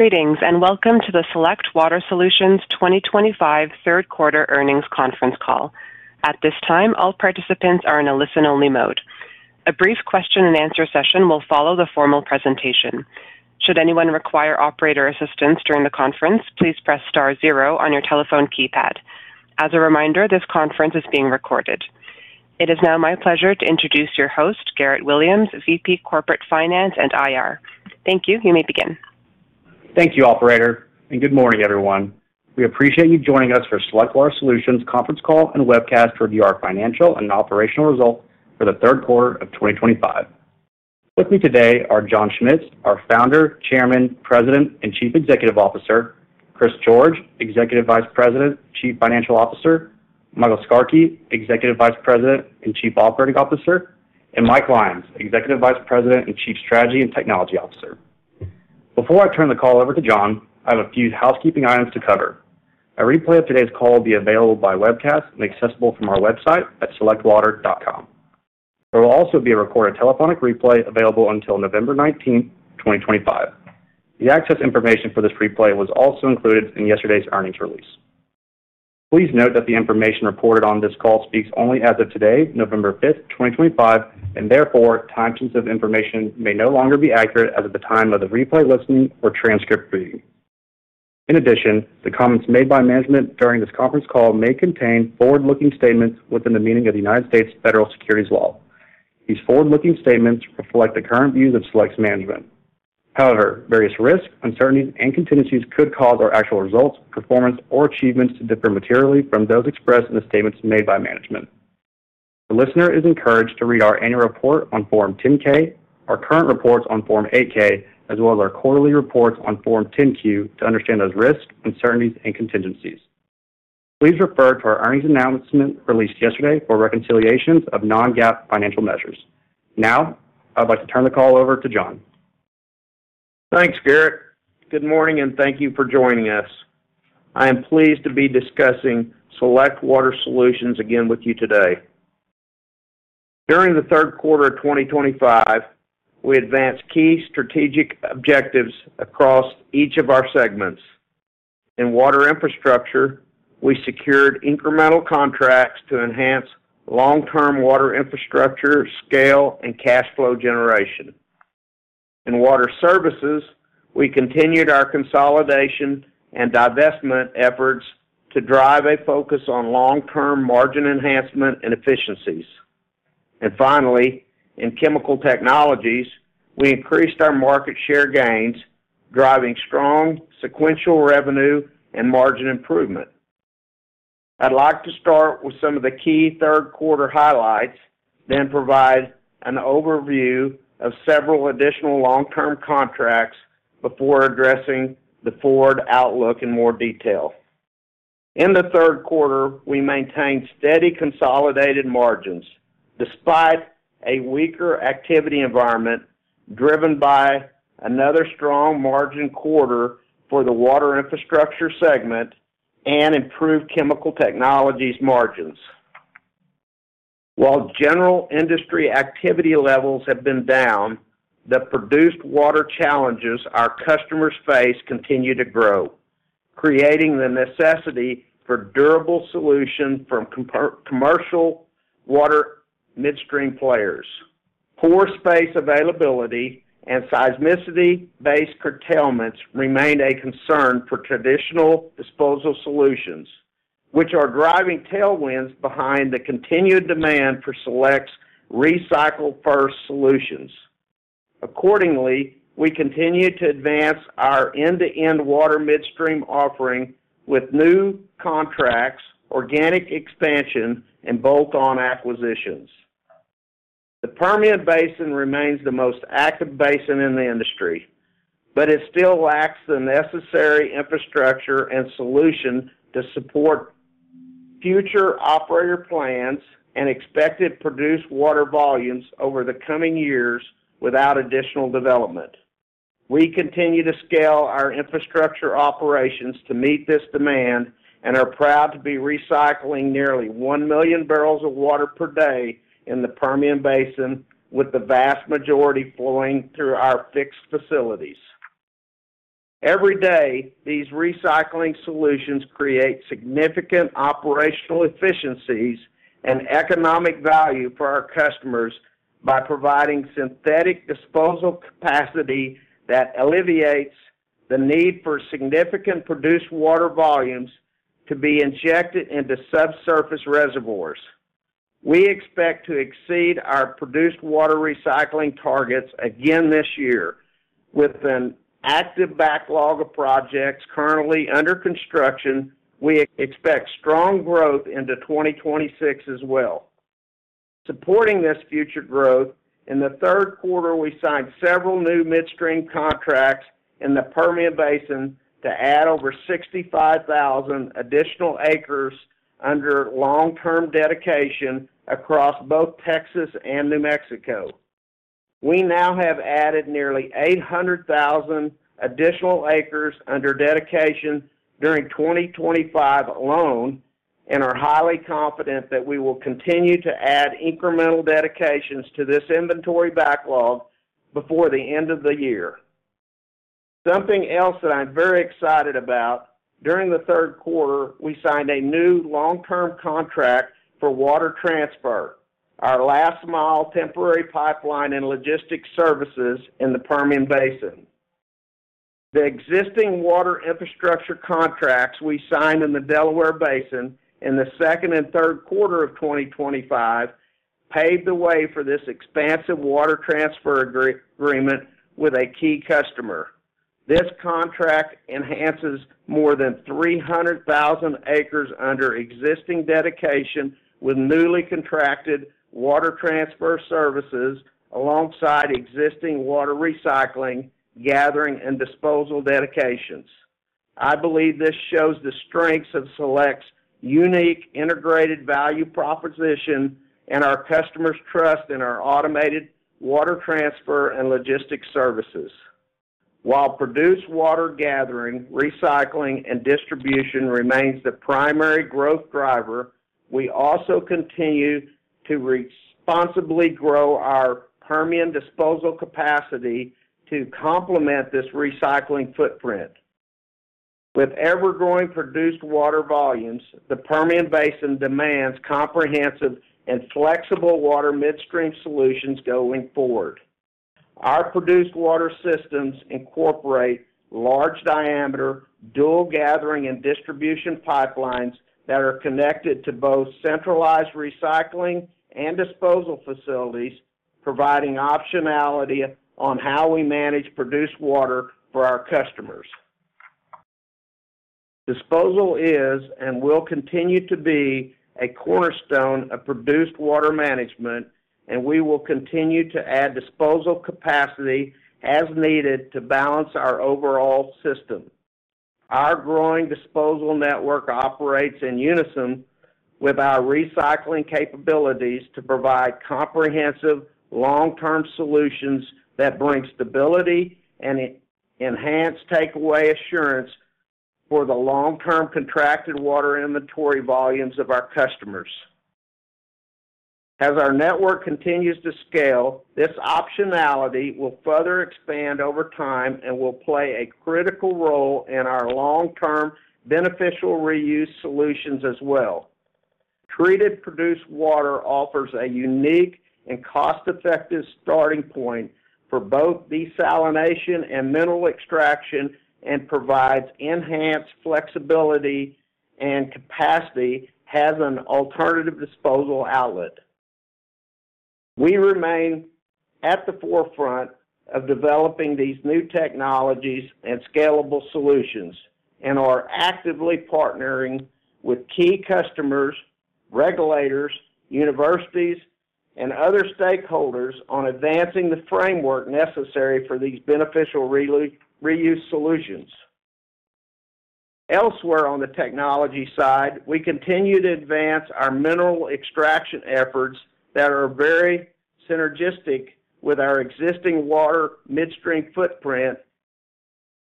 Greetings and welcome to the Select Water Solutions 2025 third-quarter earnings conference call. At this time, all participants are in a listen-only mode. A brief question-and-answer session will follow the formal presentation. Should anyone require operator assistance during the conference, please press star zero on your telephone keypad. As a reminder, this conference is being recorded. It is now my pleasure to introduce your host, Garrett Williams, Vice President Corporate Finance and IR. Thank you. You may begin. Thank you, Operator. Good morning, everyone. We appreciate you joining us for Select Water Solutions conference call and webcast to review our financial and operational results for the third quarter of 2025. With me today are John Schmitz, our Founder, Chairman, President, and Chief Executive Officer; Chris George, Executive Vice President, Chief Financial Officer; Michael Skarke, Executive Vice President and Chief Operating Officer; and Mike Lyons, Executive Vice President and Chief Strategy and Technology Officer. Before I turn the call over to John, I have a few housekeeping items to cover. A replay of today's call will be available by webcast and accessible from our website at selectwater.com. There will also be a recorded telephonic replay available until November 19th, 2025. The access information for this replay was also included in yesterday's earnings release. Please note that the information reported on this call speaks only as of today, November 5th, 2025, and therefore, time-sensitive information may no longer be accurate as of the time of the replay listening or transcript reading. In addition, the comments made by management during this conference call may contain forward-looking statements within the meaning of the U.S. Federal Securities Law. These forward-looking statements reflect the current views of Select's management. However, various risks, uncertainties, and contingencies could cause our actual results, performance, or achievements to differ materially from those expressed in the statements made by management. The listener is encouraged to read our annual report on Form 10-K, our current reports on Form 8-K, as well as our quarterly reports on Form 10-Q to understand those risks, uncertainties, and contingencies. Please refer to our earnings announcement released yesterday for reconciliations of non-GAAP financial measures. Now, I'd like to turn the call over to John. Thanks, Garrett. Good morning, and thank you for joining us. I am pleased to be discussing Select Water Solutions again with you today. During the third quarter of 2025, we advanced key strategic objectives across each of our segments. In Water Infrastructure, we secured incremental contracts to enhance long-term Water Infrastructure scale and cash flow generation. In Water Services, we continued our consolidation and divestment efforts to drive a focus on long-term margin enhancement and efficiencies. Finally, in Chemical Technologies, we increased our market share gains, driving strong sequential revenue and margin improvement. I'd like to start with some of the key third-quarter highlights, then provide an overview of several additional long-term contracts before addressing the forward outlook in more detail. In the third quarter, we maintained steady consolidated margins despite a weaker activity environment driven by another strong margin quarter for the Water Infrastructure segment and improved Chemical Technologies margins. While general industry activity levels have been down, the produced water challenges our customers face continue to grow, creating the necessity for durable solutions from commercial water midstream players. Poor space availability and seismicity-based curtailments remain a concern for traditional disposal solutions, which are driving tailwinds behind the continued demand for Select's recycle-first solutions. Accordingly, we continue to advance our end-to-end water midstream offering with new contracts, organic expansion, and bolt-on acquisitions. The Permian Basin remains the most active basin in the industry, but it still lacks the necessary infrastructure and solution to support future operator plans and expected produced water volumes over the coming years without additional development. We continue to scale our infrastructure operations to meet this demand and are proud to be recycling nearly 1 million barrels of water per day in the Permian Basin, with the vast majority flowing through our fixed facilities. Every day, these recycling solutions create significant operational efficiencies and economic value for our customers by providing synthetic disposal capacity that alleviates the need for significant produced water volumes to be injected into subsurface reservoirs. We expect to exceed our produced water recycling targets again this year. With an active backlog of projects currently under construction, we expect strong growth into 2026 as well. Supporting this future growth, in the third quarter, we signed several new midstream contracts in the Permian Basin to add over 65,000 additional acres under long-term dedication across both Texas and New Mexico. We now have added nearly 800,000 additional acres under dedication during 2025 alone and are highly confident that we will continue to add incremental dedications to this inventory backlog before the end of the year. Something else that I'm very excited about: during the third quarter, we signed a new long-term contract for water transfer, our last-mile temporary pipeline and logistics services in the Permian Basin. The existing water infrastructure contracts we signed in the Delaware Basin in the second and third quarter of 2025 paved the way for this expansive water transfer agreement with a key customer. This contract enhances more than 300,000 acres under existing dedication with newly contracted water transfer services alongside existing water recycling, gathering, and disposal dedications. I believe this shows the strengths of Select's unique integrated value proposition and our customers' trust in our automated water transfer and logistics services. While produced water gathering, recycling, and distribution remains the primary growth driver, we also continue to responsibly grow our Permian disposal capacity to complement this recycling footprint. With ever-growing produced water volumes, the Permian Basin demands comprehensive and flexible water midstream solutions going forward. Our produced water systems incorporate large-diameter, dual-gathering and distribution pipelines that are connected to both centralized recycling and disposal facilities, providing optionality on how we manage produced water for our customers. Disposal is and will continue to be a cornerstone of produced water management, and we will continue to add disposal capacity as needed to balance our overall system. Our growing disposal network operates in unison with our recycling capabilities to provide comprehensive long-term solutions that bring stability and enhanced takeaway assurance for the long-term contracted water inventory volumes of our customers. As our network continues to scale, this optionality will further expand over time and will play a critical role in our long-term beneficial reuse solutions as well. Treated produced water offers a unique and cost-effective starting point for both desalination and mineral extraction and provides enhanced flexibility and capacity as an alternative disposal outlet. We remain at the forefront of developing these new technologies and scalable solutions and are actively partnering with key customers, regulators, universities, and other stakeholders on advancing the framework necessary for these beneficial reuse solutions. Elsewhere on the technology side, we continue to advance our mineral extraction efforts that are very synergistic with our existing water midstream footprint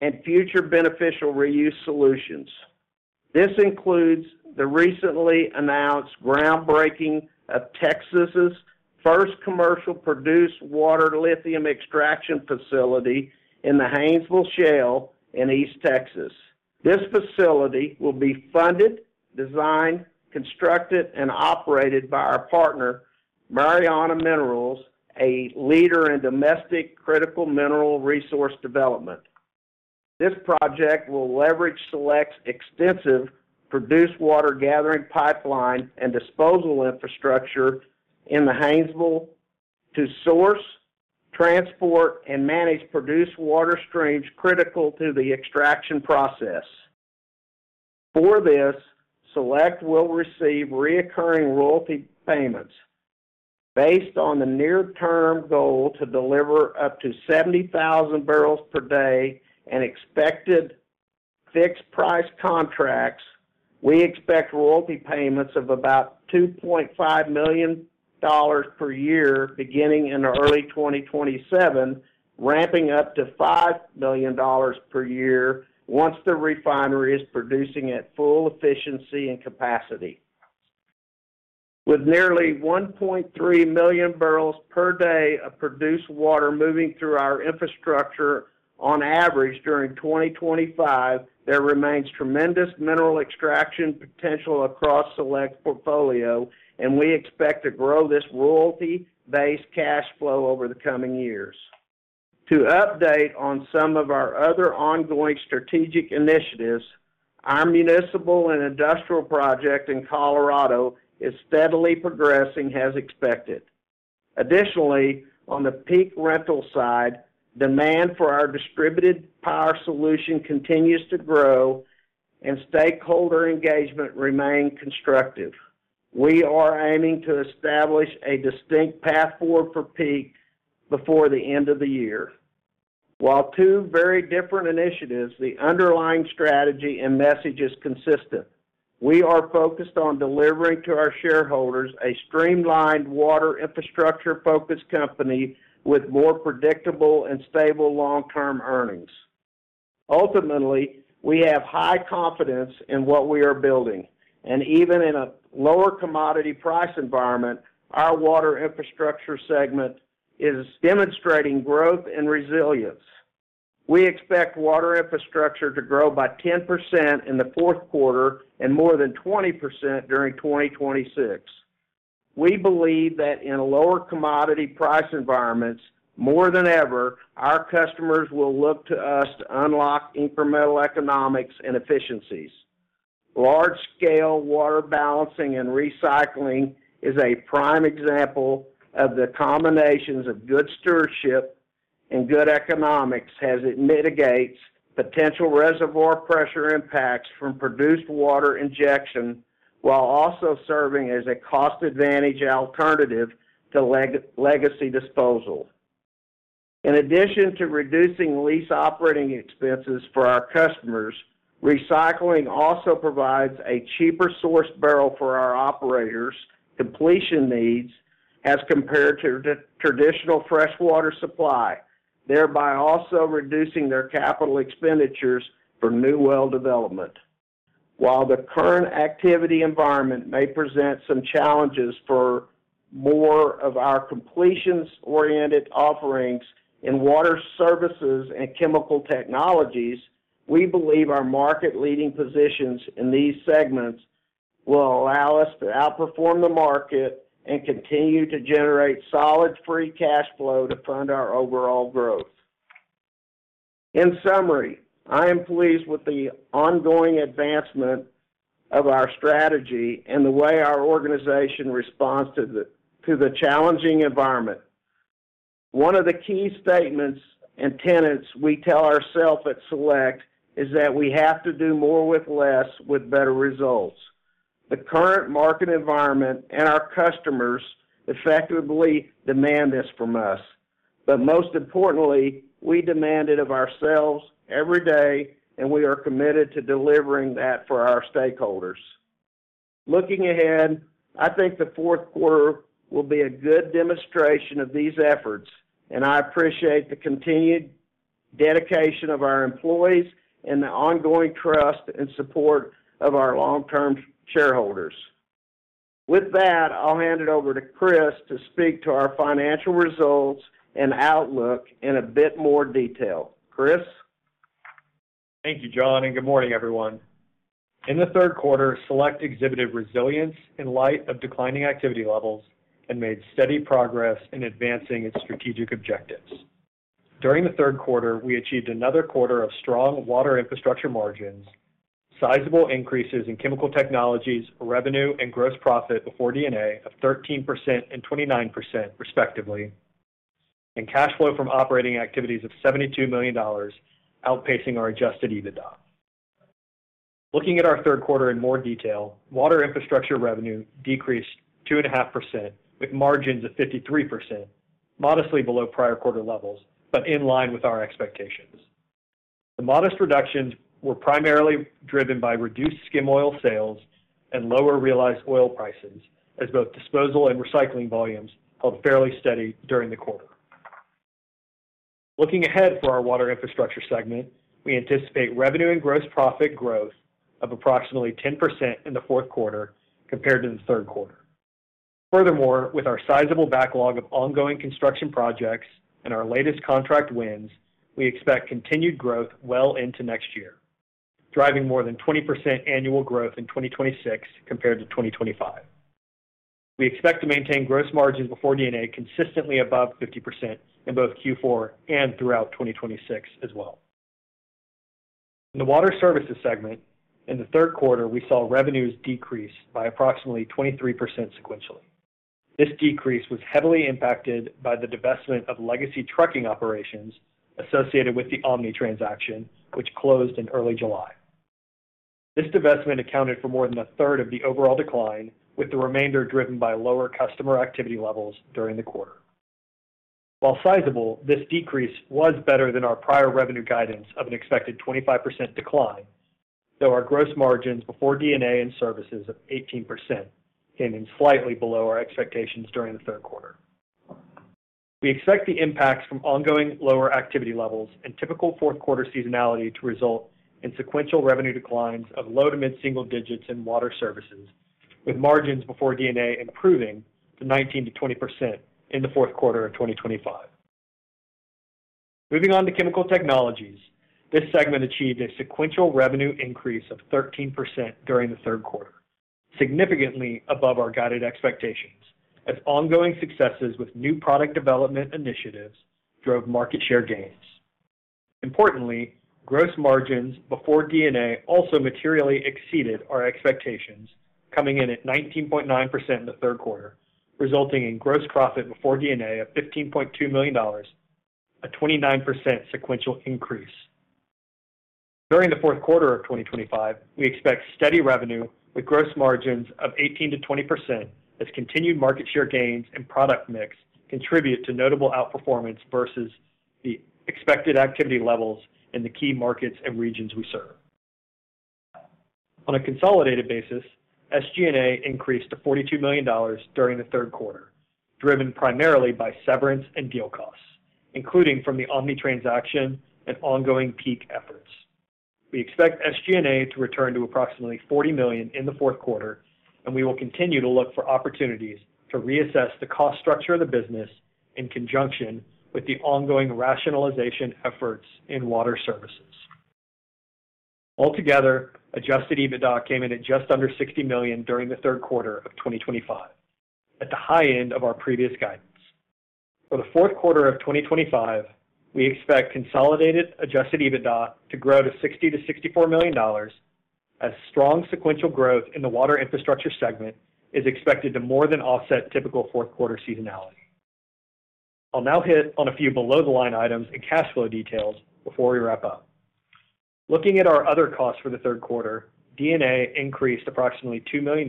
and future beneficial reuse solutions. This includes the recently announced groundbreaking of Texas's first commercial produced water lithium extraction facility in the Haynesville Shale in East Texas. This facility will be funded, designed, constructed, and operated by our partner, Mariana Minerals, a leader in domestic critical mineral resource development. This project will leverage Select's extensive produced water gathering pipeline and disposal infrastructure in the Haynesville to source, transport, and manage produced water streams critical to the extraction process. For this, Select will receive recurring royalty payments. Based on the near-term goal to deliver up to 70,000 barrels per day and expected fixed-price contracts, we expect royalty payments of about $2.5 million per year beginning in early 2027, ramping up to $5 million per year once the refinery is producing at full efficiency and capacity. With nearly 1.3 million barrels per day of produced water moving through our infrastructure on average during 2025, there remains tremendous mineral extraction potential across Select's portfolio, and we expect to grow this royalty-based cash flow over the coming years. To update on some of our other ongoing strategic initiatives, our municipal and industrial project in Colorado is steadily progressing as expected. Additionally, on the Peak rental side, demand for our distributed power solution continues to grow, and stakeholder engagement remains constructive. We are aiming to establish a distinct path forward for Peak before the end of the year. While two very different initiatives, the underlying strategy and message is consistent, we are focused on delivering to our shareholders a streamlined water infrastructure-focused company with more predictable and stable long-term earnings. Ultimately, we have high confidence in what we are building, and even in a lower commodity price environment, our water infrastructure segment is demonstrating growth and resilience. We expect water infrastructure to grow by 10% in the fourth quarter and more than 20% during 2026. We believe that in lower commodity price environments, more than ever, our customers will look to us to unlock incremental economics and efficiencies. Large-scale water balancing and recycling is a prime example of the combinations of good stewardship and good economics as it mitigates potential reservoir pressure impacts from produced water injection while also serving as a cost-advantage alternative to legacy disposal. In addition to reducing lease operating expenses for our customers, recycling also provides a cheaper source barrel for our operators' completion needs as compared to traditional freshwater supply, thereby also reducing their capital expenditures for new well development. While the current activity environment may present some challenges for more of our completions-oriented offerings in Water Services and Chemical Technologies, we believe our market-leading positions in these segments will allow us to outperform the market and continue to generate solid free cash flow to fund our overall growth. In summary, I am pleased with the ongoing advancement of our strategy and the way our organization responds to the challenging environment. One of the key statements and tenets we tell ourselves at Select is that we have to do more with less with better results. The current market environment and our customers effectively demand this from us, but most importantly, we demand it of ourselves every day, and we are committed to delivering that for our stakeholders. Looking ahead, I think the fourth quarter will be a good demonstration of these efforts, and I appreciate the continued dedication of our employees and the ongoing trust and support of our long-term shareholders. With that, I'll hand it over to Chris to speak to our financial results and outlook in a bit more detail. Chris? Thank you, John, and good morning, everyone. In the third quarter, Select exhibited resilience in light of declining activity levels and made steady progress in advancing its strategic objectives. During the third quarter, we achieved another quarter of strong water infrastructure margins, sizable increases in Chemical Technologies revenue and gross profit before D&A of 13% and 29%, respectively, and cash flow from operating activities of $72 million, outpacing our adjusted EBITDA. Looking at our third quarter in more detail, water infrastructure revenue decreased 2.5% with margins of 53%, modestly below prior quarter levels, but in line with our expectations. The modest reductions were primarily driven by reduced skim oil sales and lower realized oil prices, as both disposal and recycling volumes held fairly steady during the quarter. Looking ahead for our water infrastructure segment, we anticipate revenue and gross profit growth of approximately 10% in the fourth quarter compared to the third quarter. Furthermore, with our sizable backlog of ongoing construction projects and our latest contract wins, we expect continued growth well into next year, driving more than 20% annual growth in 2026 compared to 2025. We expect to maintain gross margins before D&A consistently above 50% in both Q4 and throughout 2026 as well. In the Water Services segment, in the third quarter, we saw revenues decrease by approximately 23% sequentially. This decrease was heavily impacted by the divestment of legacy trucking operations associated with the OMNI transaction, which closed in early July. This divestment accounted for more than a third of the overall decline, with the remainder driven by lower customer activity levels during the quarter. While sizable, this decrease was better than our prior revenue guidance of an expected 25% decline, though our gross margins before D&A in services of 18% came in slightly below our expectations during the third quarter. We expect the impacts from ongoing lower activity levels and typical fourth-quarter seasonality to result in sequential revenue declines of low to mid-single digits in Water Services, with margins before D&A improving to 19%-20% in the fourth quarter of 2025. Moving on to Chemical Technologies, this segment achieved a sequential revenue increase of 13% during the third quarter, significantly above our guided expectations, as ongoing successes with new product development initiatives drove market share gains. Importantly, gross margins before D&A also materially exceeded our expectations, coming in at 19.9% in the third quarter, resulting in gross profit before D&A of $15.2 million. A 29% sequential increase. During the fourth quarter of 2025, we expect steady revenue with gross margins of 18%-20%, as continued market share gains and product mix contribute to notable outperformance versus the expected activity levels in the key markets and regions we serve. On a consolidated basis, SG&A increased to $42 million during the third quarter, driven primarily by severance and deal costs, including from the OMNI transaction and ongoing Peak efforts. We expect SG&A to return to approximately $40 million in the fourth quarter, and we will continue to look for opportunities to reassess the cost structure of the business in conjunction with the ongoing rationalization efforts in Water Services. Altogether, adjusted EBITDA came in at just under $60 million during the third quarter of 2025, at the high end of our previous guidance. For the fourth quarter of 2025, we expect consolidated adjusted EBITDA to grow to $60 million-$64 million as strong sequential growth in the Water Infrastructure segment is expected to more than offset typical fourth-quarter seasonality. I'll now hit on a few below-the-line items and cash flow details before we wrap up. Looking at our other costs for the third quarter, D&A increased approximately $2 million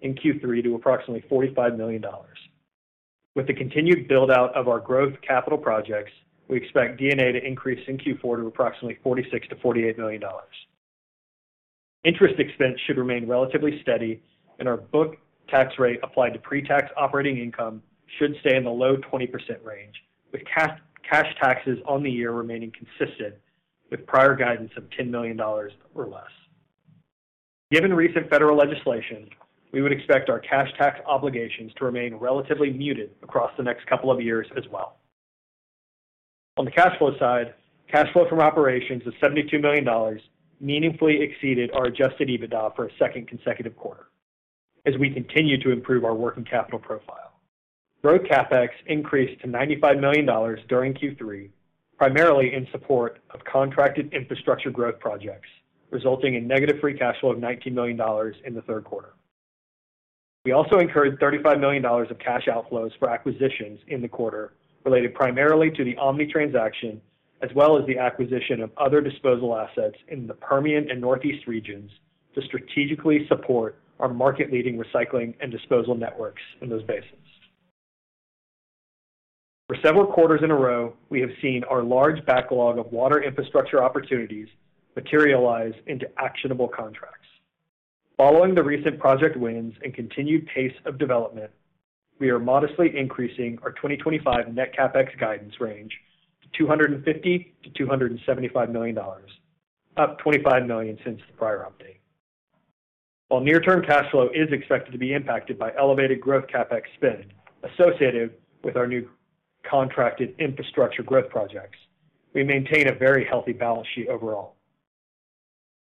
in Q3 to approximately $45 million. With the continued build-out of our growth capital projects, we expect D&A to increase in Q4 to approximately $46 million-$48 million. Interest expense should remain relatively steady, and our book tax rate applied to pre-tax operating income should stay in the low 20% range, with cash taxes on the year remaining consistent with prior guidance of $10 million or less. Given recent federal legislation, we would expect our cash tax obligations to remain relatively muted across the next couple of years as well. On the cash flow side, cash flow from operations of $72 million meaningfully exceeded our adjusted EBITDA for a second consecutive quarter, as we continue to improve our working capital profile. Growth CapEx increased to $95 million during Q3, primarily in support of contracted infrastructure growth projects, resulting in negative free cash flow of $19 million in the third quarter. We also incurred $35 million of cash outflows for acquisitions in the quarter, related primarily to the OMNI transaction as well as the acquisition of other disposal assets in the Permian and Northeast regions to strategically support our market-leading recycling and disposal networks in those basins. For several quarters in a row, we have seen our large backlog of water infrastructure opportunities materialize into actionable contracts. Following the recent project wins and continued pace of development, we are modestly increasing our 2025 net CapEx guidance range to $250 million-$275 million, up $25 million since the prior update. While near-term cash flow is expected to be impacted by elevated growth CapEx spend associated with our new contracted infrastructure growth projects, we maintain a very healthy balance sheet overall.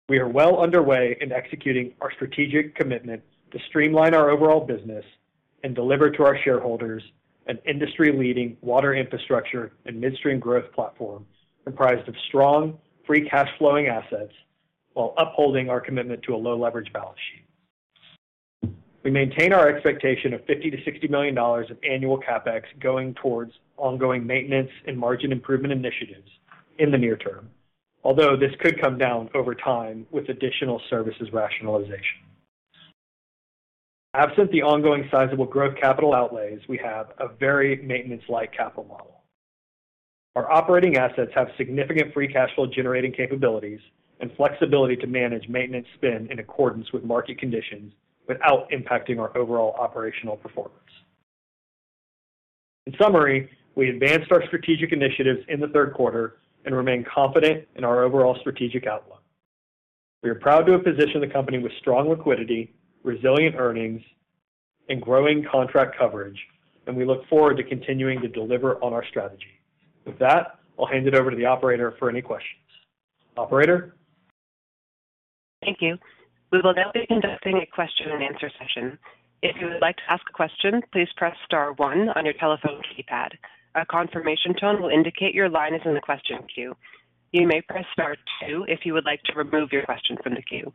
We are well underway in executing our strategic commitment to streamline our overall business and deliver to our shareholders an industry-leading water infrastructure and midstream growth platform comprised of strong free cash-flowing assets while upholding our commitment to a low-leverage balance sheet. We maintain our expectation of $50 million-$60 million of annual CapEx going towards ongoing maintenance and margin improvement initiatives in the near term, although this could come down over time with additional services rationalization. Absent the ongoing sizable growth capital outlays, we have a very maintenance-like capital model. Our operating assets have significant free cash flow-generating capabilities and flexibility to manage maintenance spend in accordance with market conditions without impacting our overall operational performance. In summary, we advanced our strategic initiatives in the third quarter and remain confident in our overall strategic outlook. We are proud to have positioned the company with strong liquidity, resilient earnings, and growing contract coverage, and we look forward to continuing to deliver on our strategy. With that, I'll hand it over to the operator for any questions. Operator? Thank you. We will now be conducting a question-and-answer session. If you would like to ask a question, please press Star 1 on your telephone keypad. A confirmation tone will indicate your line is in the question queue. You may press Star 2 if you would like to remove your question from the queue.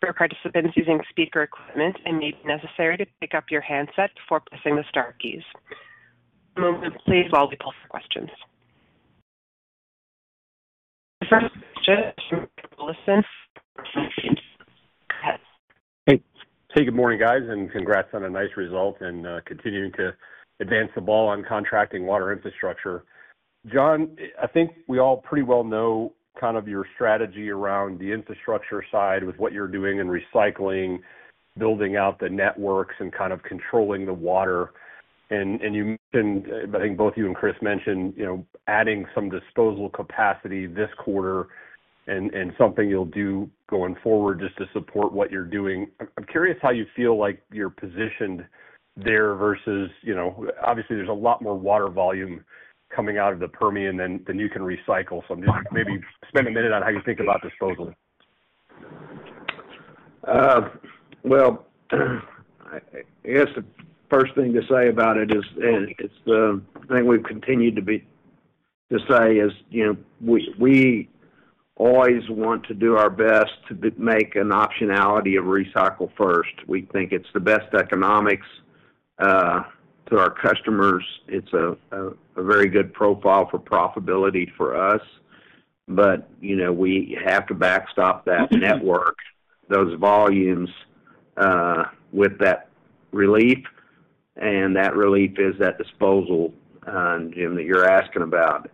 For participants using speaker equipment, it may be necessary to pick up your handset before pressing the Star keys. A moment, please, while we pull some questions. [The first question is from Jim]. [Please go ahead]. Hey, good morning, guys, and congrats on a nice result in continuing to advance the ball on contracting water infrastructure. John, I think we all pretty well know kind of your strategy around the infrastructure side with what you're doing in recycling, building out the networks, and kind of controlling the water. You mentioned, I think both you and Chris mentioned, adding some disposal capacity this quarter and something you'll do going forward just to support what you're doing. I'm curious how you feel like you're positioned there versus obviously, there's a lot more water volume coming out of the Permian than you can recycle, so maybe spend a minute on how you think about disposal. I guess the first thing to say about it is the thing we've continued to say is we always want to do our best to make an optionality of recycle first. We think it's the best economics to our customers. It's a very good profile for profitability for us. We have to backstop that network, those volumes, with that relief. That relief is that disposal that you're asking about.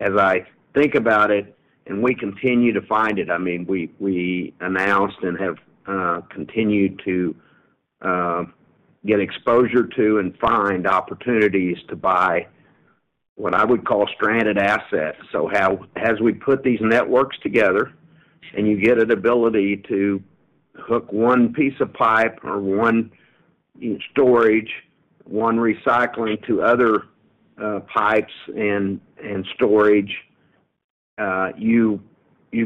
As I think about it and we continue to find it, I mean, we announced and have continued to get exposure to and find opportunities to buy what I would call stranded assets. As we put these networks together and you get an ability to hook one piece of pipe or one storage, one recycling to other pipes and storage, you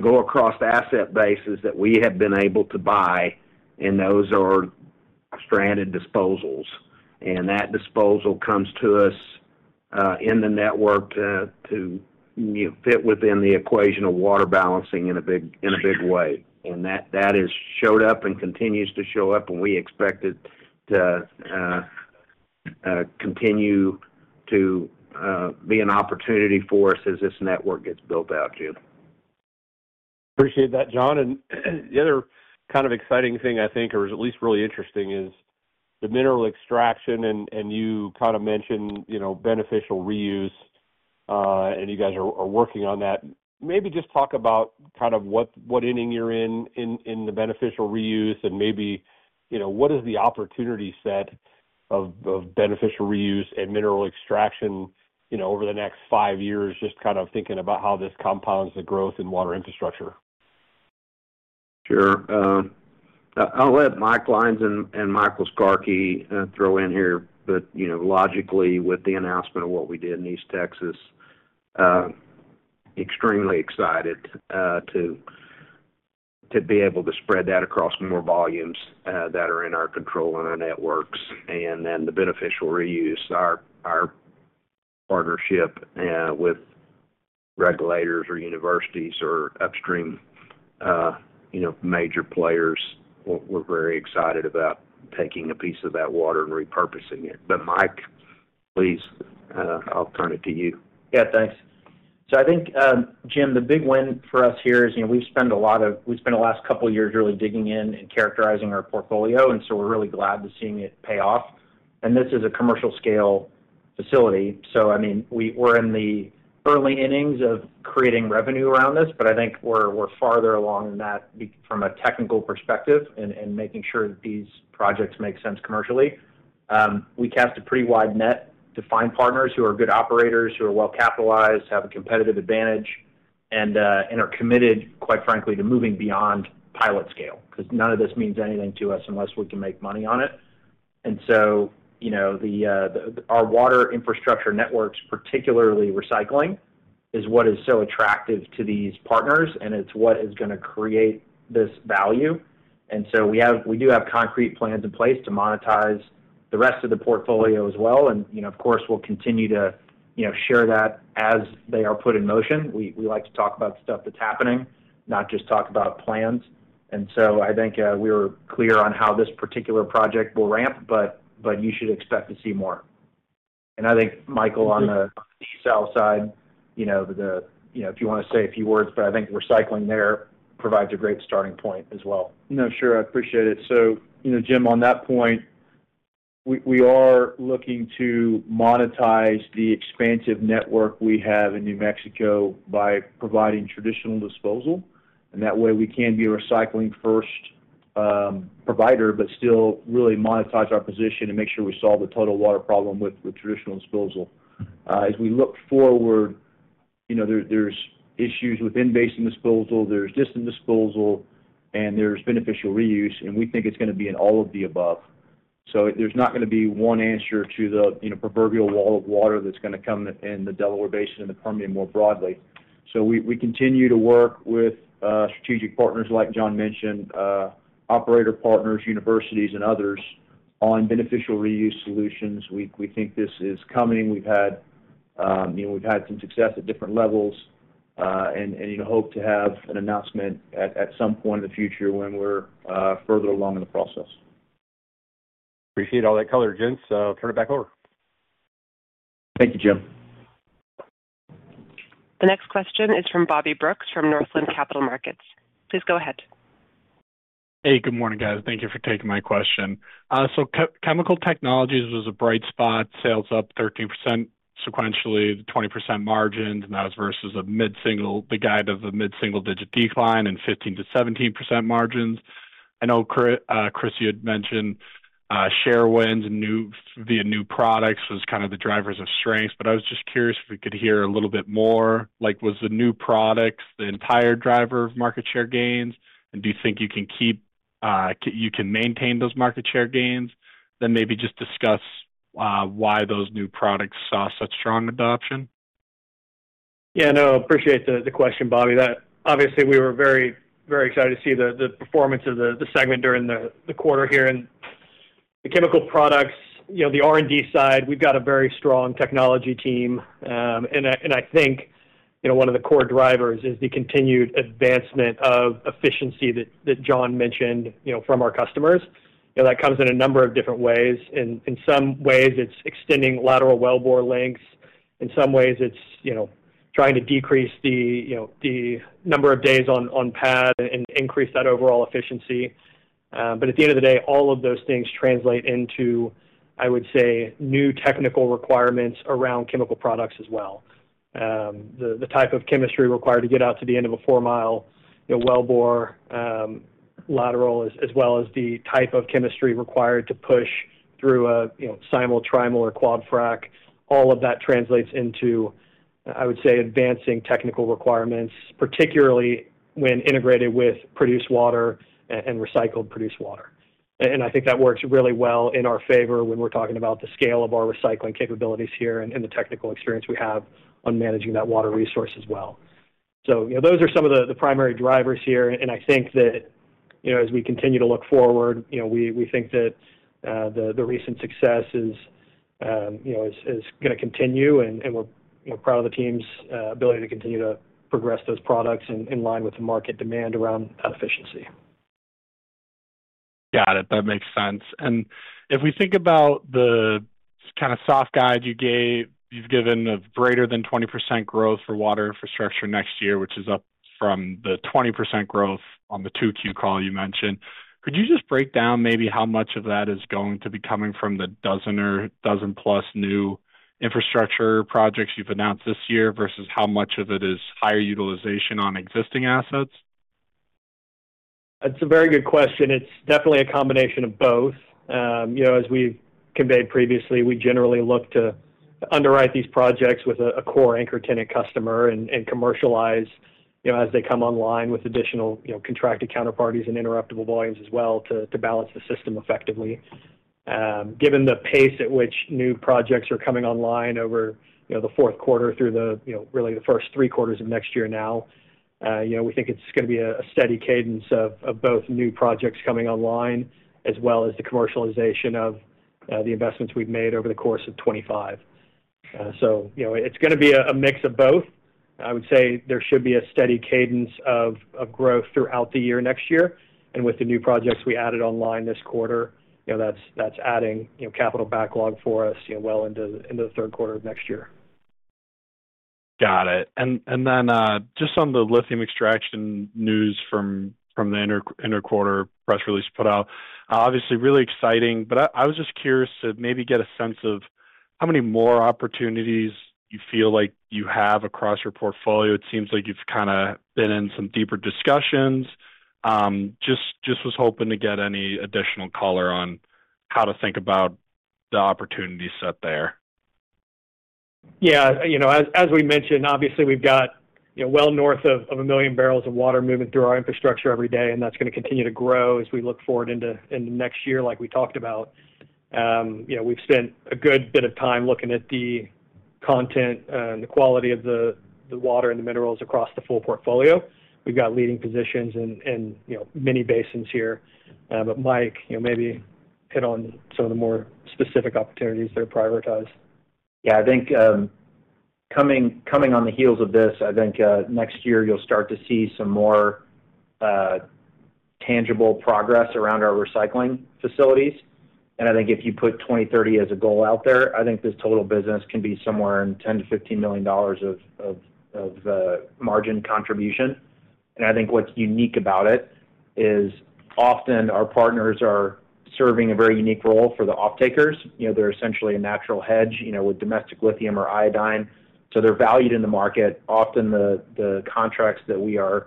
go across asset bases that we have been able to buy, and those are stranded disposals. That disposal comes to us in the network to fit within the equation of water balancing in a big way. That has showed up and continues to show up, and we expect it to continue to be an opportunity for us as this network gets built out, Jim. Appreciate that, John. The other kind of exciting thing I think, or at least really interesting, is the mineral extraction, and you kind of mentioned beneficial reuse. You guys are working on that. Maybe just talk about kind of what inning you're in in the beneficial reuse and maybe what is the opportunity set of beneficial reuse and mineral extraction over the next five years, just kind of thinking about how this compounds the growth in water infrastructure. Sure. I'll let Mike Lyons and Michael Skarke throw in here, but logically, with the announcement of what we did in East Texas. Extremely excited to be able to spread that across more volumes that are in our control and our networks. And then the beneficial reuse, our partnership with regulators or universities or upstream major players, we're very excited about taking a piece of that water and repurposing it. But Mike, please, I'll turn it to you. Yeah, thanks. I think, Jim, the big win for us here is we've spent the last couple of years really digging in and characterizing our portfolio, and we're really glad to see it pay off. This is a commercial-scale facility. I mean, we're in the early innings of creating revenue around this, but I think we're farther along than that from a technical perspective and making sure that these projects make sense commercially. We cast a pretty wide net to find partners who are good operators, who are well-capitalized, have a competitive advantage, and are committed, quite frankly, to moving beyond pilot scale because none of this means anything to us unless we can make money on it. Our water infrastructure networks, particularly recycling, is what is so attractive to these partners, and it's what is going to create this value. We do have concrete plans in place to monetize the rest of the portfolio as well. Of course, we'll continue to share that as they are put in motion. We like to talk about stuff that's happening, not just talk about plans. I think we were clear on how this particular project will ramp, but you should expect to see more. I think, Michael, on the DSL side, if you want to say a few words, but I think recycling there provides a great starting point as well. No, sure. I appreciate it. Jim, on that point, we are looking to monetize the expansive network we have in New Mexico by providing traditional disposal. That way, we can be a recycling-first provider but still really monetize our position and make sure we solve the total water problem with traditional disposal. As we look forward. There's issues with in-basin disposal, there's distant disposal, and there's beneficial reuse, and we think it's going to be in all of the above. There's not going to be one answer to the proverbial wall of water that's going to come in the Delaware Basin and the Permian more broadly. We continue to work with strategic partners like John mentioned, operator partners, universities, and others on beneficial reuse solutions. We think this is coming. We've had some success at different levels and hope to have an announcement at some point in the future when we're further along in the process. Appreciate all that color, gents. I'll turn it back over. Thank you, Jim. The next question is from Bobby Brooks from Northland Capital Markets. Please go ahead. Hey, good morning, guys. Thank you for taking my question. Chemical Technologies was a bright spot, sales up 13% sequentially, 20% margins, and that was versus the guide of the mid-single-digit decline and 15%-17% margins. I know, Chris, you had mentioned share wins via new products was kind of the drivers of strength. I was just curious if we could hear a little bit more. Was the new products the entire driver of market share gains? Do you think you can maintain those market share gains? Maybe just discuss why those new products saw such strong adoption. Yeah, I appreciate the question, Bobby. Obviously, we were very, very excited to see the performance of the segment during the quarter here. The chemical products, the R&D side, we've got a very strong technology team. I think one of the core drivers is the continued advancement of efficiency that John mentioned from our customers. That comes in a number of different ways. In some ways, it's extending lateral wellbore lengths. In some ways, it's trying to decrease the number of days on pad and increase that overall efficiency. At the end of the day, all of those things translate into, I would say, new technical requirements around chemical products as well. The type of chemistry required to get out to the end of a 4 mi wellbore lateral, as well as the type of chemistry required to push through a [simul, trimal] quad frack, all of that translates into, I would say, advancing technical requirements, particularly when integrated with produced water and recycled produced water. I think that works really well in our favor when we're talking about the scale of our recycling capabilities here and the technical experience we have on managing that water resource as well. Those are some of the primary drivers here. I think that as we continue to look forward, we think that the recent success is going to continue, and we're proud of the team's ability to continue to progress those products in line with the market demand around efficiency. Got it. That makes sense. If we think about the kind of soft guide you've given of greater than 20% growth for water infrastructure next year, which is up from the 20% growth on the 2Q call you mentioned, could you just break down maybe how much of that is going to be coming from the dozen or dozen-plus new infrastructure projects you've announced this year versus how much of it is higher utilization on existing assets? That's a very good question. It's definitely a combination of both. As we've conveyed previously, we generally look to underwrite these projects with a core anchor tenant customer and commercialize as they come online with additional contracted counterparties and interruptible volumes as well to balance the system effectively. Given the pace at which new projects are coming online over the fourth quarter through really the first three quarters of next year now. We think it's going to be a steady cadence of both new projects coming online as well as the commercialization of the investments we've made over the course of 2025. It is going to be a mix of both. I would say there should be a steady cadence of growth throughout the year next year. With the new projects we added online this quarter, that's adding capital backlog for us well into the third quarter of next year. Got it. Just on the lithium extraction news from the interquarter press release put out, obviously, really exciting. I was just curious to maybe get a sense of how many more opportunities you feel like you have across your portfolio. It seems like you've kind of been in some deeper discussions. I was hoping to get any additional color on how to think about the opportunity set there. Yeah. As we mentioned, obviously, we've got well north of a million barrels of water moving through our infrastructure every day, and that's going to continue to grow as we look forward into next year, like we talked about. We've spent a good bit of time looking at the content and the quality of the water and the minerals across the full portfolio. We've got leading positions in many basins here. Mike, maybe hit on some of the more specific opportunities that are prioritized. Yeah. I think coming on the heels of this, I think next year you'll start to see some more tangible progress around our recycling facilities. I think if you put 2030 as a goal out there, I think this total business can be somewhere in $10 million-$15 million of margin contribution. I think what's unique about it is often our partners are serving a very unique role for the off-takers. They're essentially a natural hedge with domestic lithium or iodine. They're valued in the market. Often the contracts that we are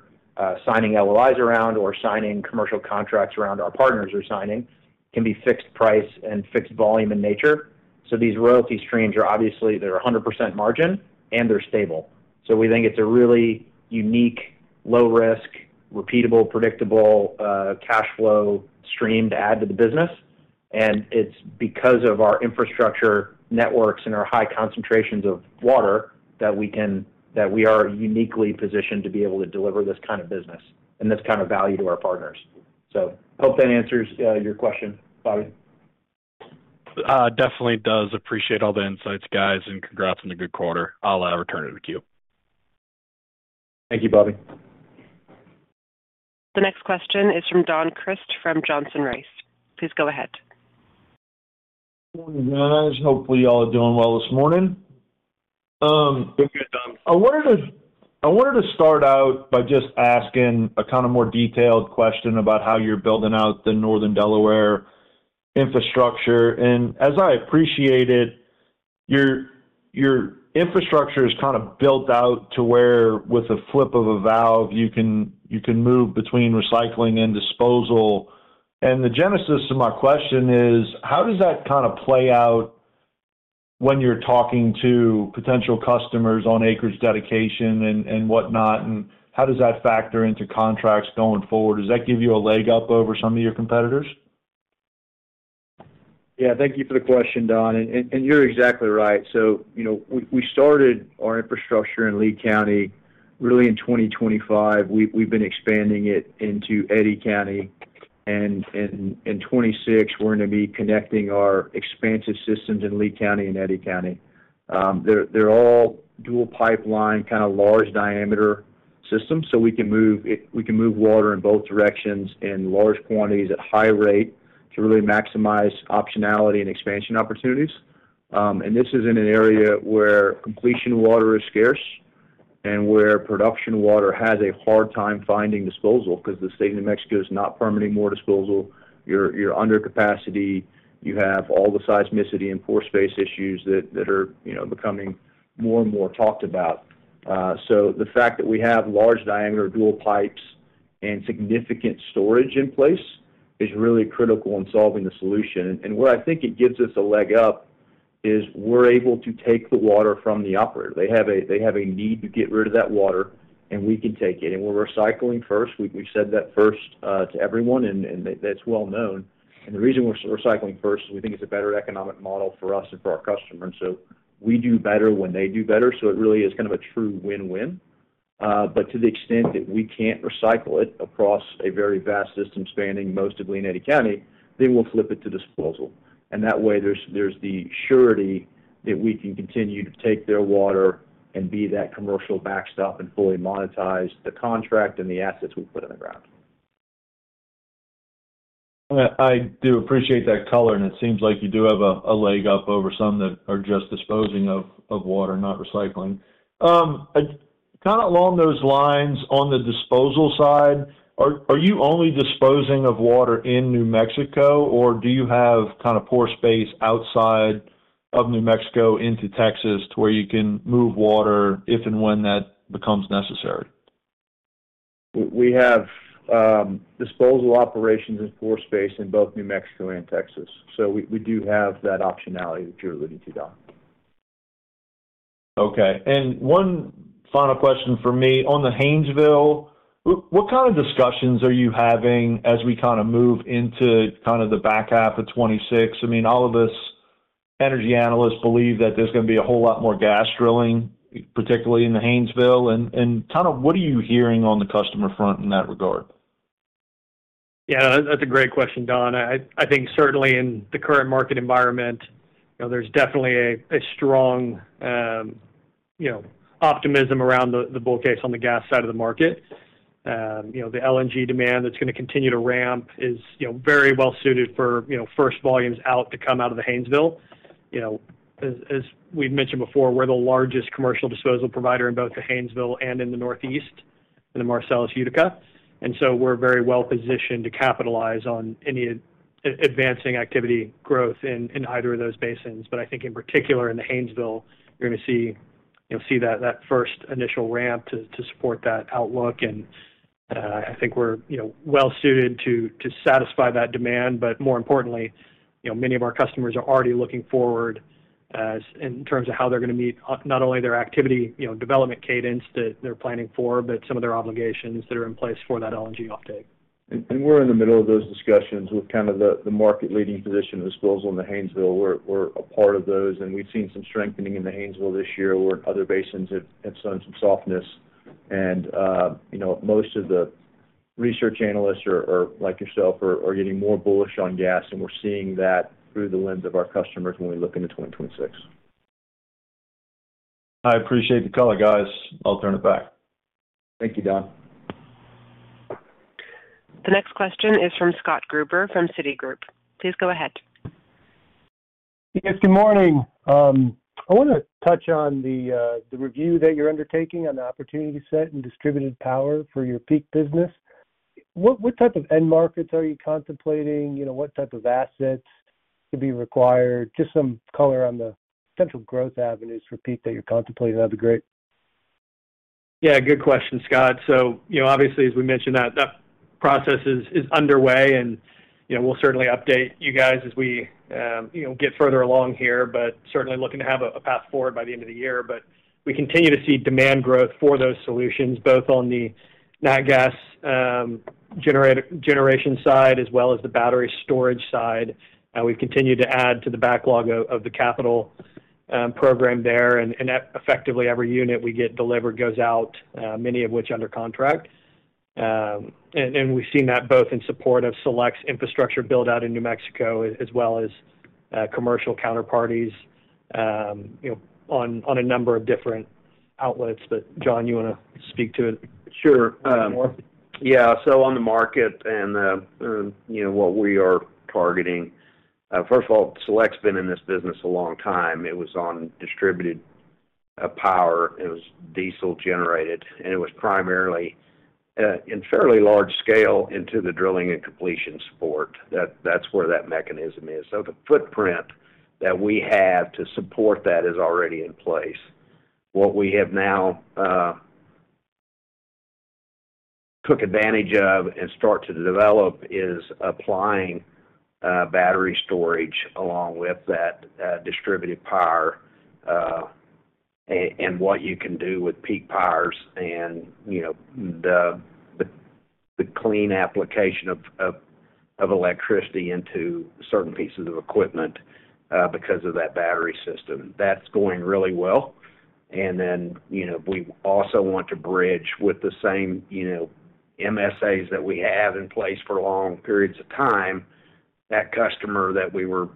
signing LOIs around or signing commercial contracts around our partners are signing can be fixed price and fixed volume in nature. These royalty streams are obviously they're 100% margin, and they're stable. We think it's a really unique, low-risk, repeatable, predictable cash flow stream to add to the business. It's because of our infrastructure networks and our high concentrations of water that we are uniquely positioned to be able to deliver this kind of business and this kind of value to our partners. Hope that answers your question, Bobby. Definitely does. Appreciate all the insights, guys, and congrats on the good quarter. I'll return to the queue. Thank you, Bobby. The next question is from Don Crist from Johnson Rice. Please go ahead. Good morning, guys. Hopefully, y'all are doing well this morning. Good morning, Don. I wanted to start out by just asking a kind of more detailed question about how you're building out the Northern Delaware infrastructure. And as I appreciate it, your infrastructure is kind of built out to where, with a flip of a valve, you can move between recycling and disposal. The genesis of my question is, how does that kind of play out when you're talking to potential customers on acreage dedication and whatnot? How does that factor into contracts going forward? Does that give you a leg up over some of your competitors? Yeah. Thank you for the question, Don. And you're exactly right. We started our infrastructure in Lea County really in 2025. We've been expanding it into Eddy County. In 2026, we're going to be connecting our expansive systems in Lea County and Eddy County. They're all dual-pipeline, kind of large-diameter systems, so we can move water in both directions in large quantities at high rate to really maximize optionality and expansion opportunities. This is in an area where completion water is scarce and where production water has a hard time finding disposal because the state of New Mexico is not permitting more disposal. You're under capacity. You have all the seismicity and pore space issues that are becoming more and more talked about. The fact that we have large-diameter dual pipes and significant storage in place is really critical in solving the solution. Where I think it gives us a leg up is we're able to take the water from the operator. They have a need to get rid of that water, and we can take it. We're recycling first. We've said that first to everyone, and that's well known. The reason we're recycling first is we think it's a better economic model for us and for our customers. We do better when they do better. It really is kind of a true win-win. To the extent that we can't recycle it across a very vast system spanning most of Lea and Eddy County, we'll flip it to disposal. That way, there's the surety that we can continue to take their water and be that commercial backstop and fully monetize the contract and the assets we put in the ground. I do appreciate that color. It seems like you do have a leg up over some that are just disposing of water, not recycling. Kind of along those lines on the disposal side, are you only disposing of water in New Mexico, or do you have kind of pore space outside of New Mexico into Texas to where you can move water if and when that becomes necessary? We have disposal operations in pore space in both New Mexico and Texas. So we do have that optionality that you're alluding to, Don. Okay. One final question for me. On the Haynesville, what kind of discussions are you having as we kind of move into the back half of 2026? I mean, all of us energy analysts believe that there's going to be a whole lot more gas drilling, particularly in the Haynesville. What are you hearing on the customer front in that regard? Yeah. That's a great question, Don. I think certainly in the current market environment, there's definitely a strong optimism around the bull case on the gas side of the market. The LNG demand that's going to continue to ramp is very well suited for first volumes out to come out of the Haynesville. As we've mentioned before, we're the largest commercial disposal provider in both the Haynesville and in the Northeast, in the Marcellus/Utica. We are very well positioned to capitalize on any advancing activity growth in either of those basins. I think in particular, in the Haynesville, you're going to see that first initial ramp to support that outlook. I think we're well suited to satisfy that demand. More importantly, many of our customers are already looking forward. In terms of how they're going to meet not only their activity development cadence that they're planning for, but some of their obligations that are in place for that LNG offtake. We're in the middle of those discussions with kind of the market-leading position disposal in the Haynesville. We're a part of those. We've seen some strengthening in the Haynesville this year. Other basins have shown some softness. Most of the research analysts, like yourself, are getting more bullish on gas. We're seeing that through the lens of our customers when we look into 2026. I appreciate the color, guys. I'll turn it back. Thank you, Don. The next question is from Scott Gruber from Citigroup. Please go ahead. Yes. Good morning. I want to touch on the review that you're undertaking on the opportunity set and distributed power for your Peak business. What type of end markets are you contemplating? What type of assets could be required? Just some color on the potential growth avenues for Peak that you're contemplating. That'd be great. Yeah. Good question, Scott. Obviously, as we mentioned, that process is underway. We'll certainly update you guys as we get further along here, but certainly looking to have a path forward by the end of the year. We continue to see demand growth for those solutions, both on the nat gas generation side as well as the battery storage side. We've continued to add to the backlog of the capital program there. Effectively, every unit we get delivered goes out, many of which under contract. We've seen that both in support of Select's infrastructure build-out in New Mexico as well as commercial counterparties on a number of different outlets. John, you want to speak to it more? Sure. Yeah. On the market and what we are targeting, first of all, Select's been in this business a long time. It was on distributed power. It was diesel generated, and it was primarily in fairly large scale into the drilling and completion support. That's where that mechanism is. The footprint that we have to support that is already in place. What we have now took advantage of and started to develop is applying battery storage along with that distributed power. What you can do with Peak powers and the clean application of electricity into certain pieces of equipment because of that battery system, that's going really well. We also want to bridge with the same MSAs that we have in place for long periods of time, that customer that we were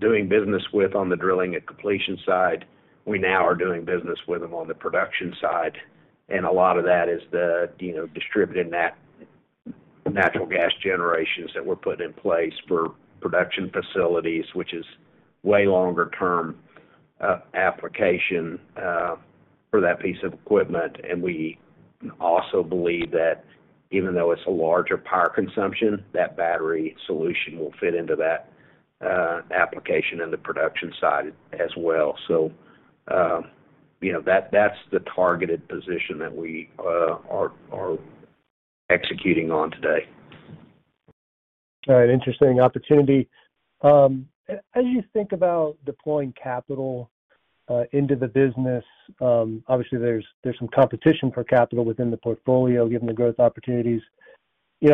doing business with on the drilling and completion side, we now are doing business with them on the production side. A lot of that is the distributed natural gas generations that we're putting in place for production facilities, which is a way longer-term application for that piece of equipment. We also believe that even though it's a larger power consumption, that battery solution will fit into that application and the production side as well. That's the targeted position that we are executing on today. All right. Interesting opportunity. As you think about deploying capital into the business, obviously, there's some competition for capital within the portfolio, given the growth opportunities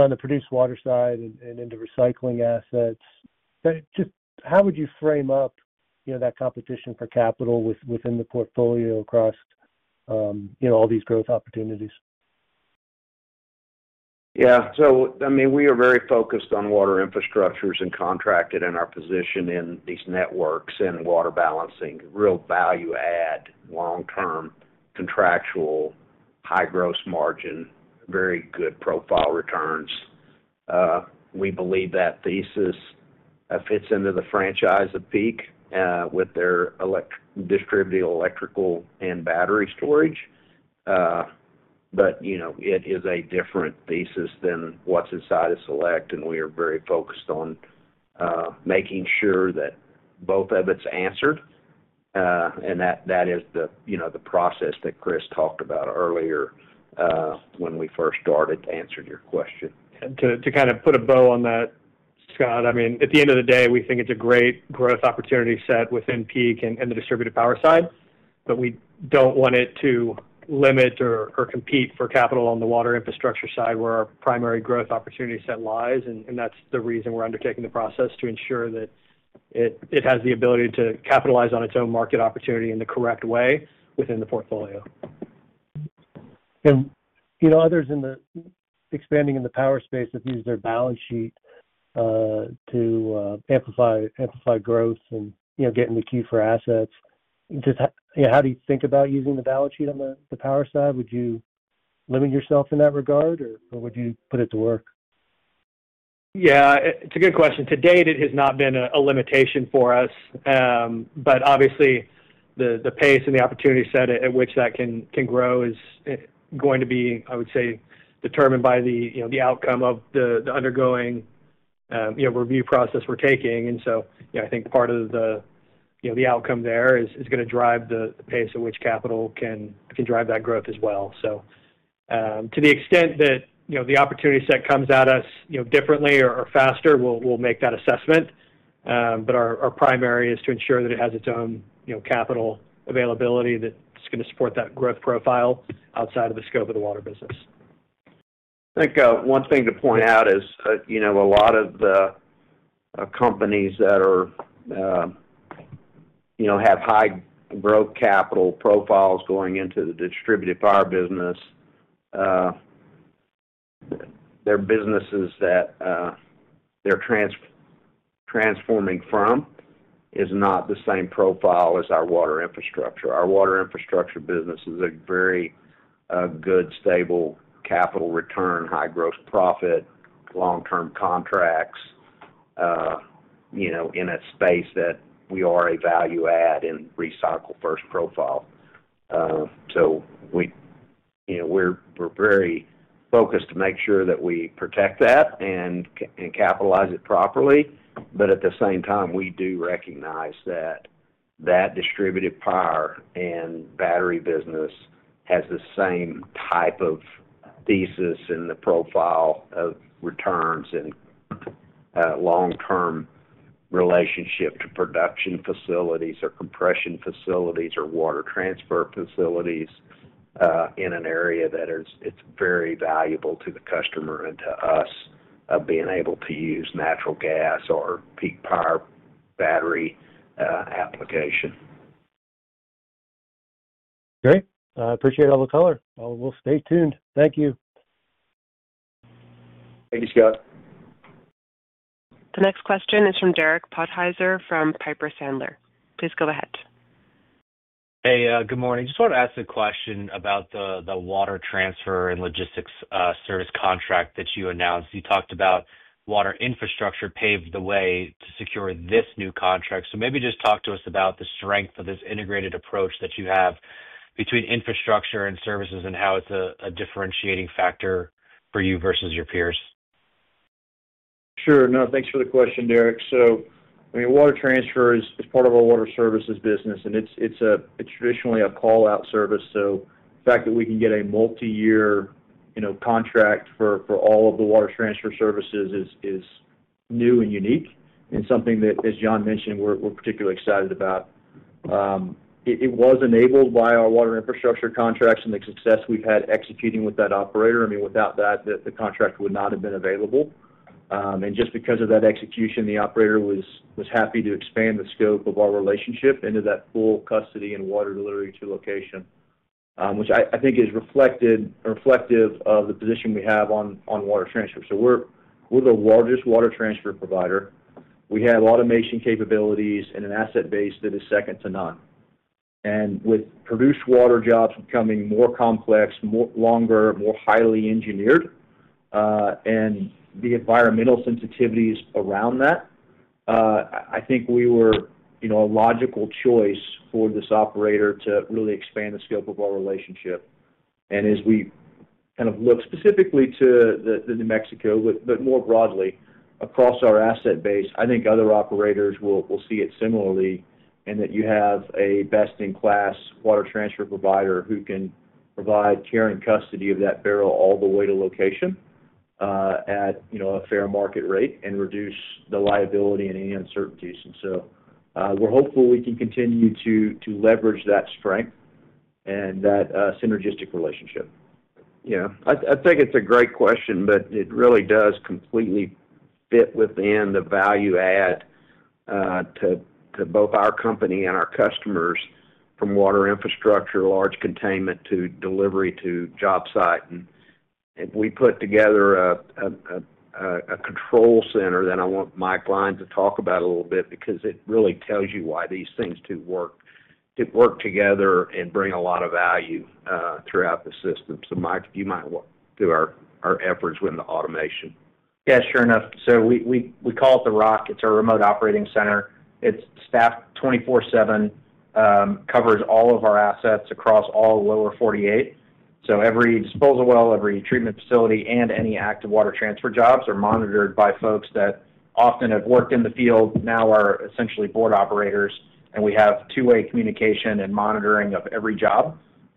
on the produced water side and into recycling assets. Just how would you frame up that competition for capital within the portfolio across all these growth opportunities? Yeah. I mean, we are very focused on water infrastructure and contracted in our position in these networks and water balancing. Real value-add, long-term, contractual, high-gross margin, very good profile returns. We believe that thesis fits into the franchise of Peak with their distributed electrical and battery storage. It is a different thesis than what's inside of Select. We are very focused on making sure that both of it's answered. That is the process that Chris talked about earlier when we first started to answer your question. To kind of put a bow on that, Scott, at the end of the day, we think it's a great growth opportunity set within Peak and the distributed power side. We do not want it to limit or compete for capital on the water infrastructure side where our primary growth opportunity set lies. That is the reason we are undertaking the process to ensure that it has the ability to capitalize on its own market opportunity in the correct way within the portfolio. Others expanding in the power space have used their balance sheet to amplify growth and get in the queue for assets. How do you think about using the balance sheet on the power side? Would you limit yourself in that regard, or would you put it to work? Yeah. It is a good question. To date, it has not been a limitation for us. Obviously, the pace and the opportunity set at which that can grow is going to be, I would say, determined by the outcome of the ongoing review process we are taking. I think part of the outcome there is going to drive the pace at which capital can drive that growth as well. To the extent that the opportunity set comes at us differently or faster, we'll make that assessment. Our primary is to ensure that it has its own capital availability that's going to support that growth profile outside of the scope of the water business. I think one thing to point out is a lot of the companies that have high growth capital profiles going into the distributed power business, their businesses that they're transforming from is not the same profile as our water infrastructure. Our water infrastructure business is a very good, stable capital return, high gross profit, long-term contracts in a space that we are a value-add and recycle-first profile. We're very focused to make sure that we protect that and capitalize it properly. At the same time, we do recognize that distributed power and battery business has the same type of thesis in the profile of returns and long-term relationship to production facilities or compression facilities or water transfer facilities in an area that is very valuable to the customer and to us, of being able to use natural gas or Peak power battery application. Great. I appreciate all the color. We'll stay tuned. Thank you. Thank you, Scott. The next question is from Derek Podhaizer from Piper Sandler. Please go ahead. Hey, good morning. Just wanted to ask a question about the water transfer and logistics service contract that you announced. You talked about water infrastructure paved the way to secure this new contract. Maybe just talk to us about the strength of this integrated approach that you have between infrastructure and services and how it's a differentiating factor for you versus your peers. Sure. No, thanks for the question, Derek. I mean, water transfer is part of our Water Services business. It's traditionally a call-out service. The fact that we can get a multi-year contract for all of the water transfer services is new and unique and something that, as John mentioned, we're particularly excited about. It was enabled by our Water Infrastructure contracts and the success we've had executing with that operator. Without that, the contract would not have been available. Just because of that execution, the operator was happy to expand the scope of our relationship into that full custody and water delivery to location, which I think is reflective of the position we have on water transfer. We are the largest water transfer provider. We have automation capabilities and an asset base that is second to none. With produced water jobs becoming more complex, longer, more highly engineered, and the environmental sensitivities around that, I think we were a logical choice for this operator to really expand the scope of our relationship. As we kind of look specifically to New Mexico, but more broadly across our asset base, I think other operators will see it similarly in that you have a best-in-class water transfer provider who can provide care and custody of that barrel all the way to location. At a fair market rate and reduce the liability and any uncertainties. We are hopeful we can continue to leverage that strength and that synergistic relationship. Yeah. I think it is a great question, but it really does completely fit within the value-add to both our company and our customers from water infrastructure, large containment to delivery to job site. If we put together a control center, then I want Mike Lyons to talk about it a little bit because it really tells you why these things do work together and bring a lot of value throughout the system. Mike, do you mind to our efforts with the automation? Yeah, sure enough. We call it the ROC. It is our remote operating center. It is staffed 24/7. Covers all of our assets across all lower 48. Every disposal well, every treatment facility, and any active water transfer jobs are monitored by folks that often have worked in the field, now are essentially board operators. We have two-way communication and monitoring of every job.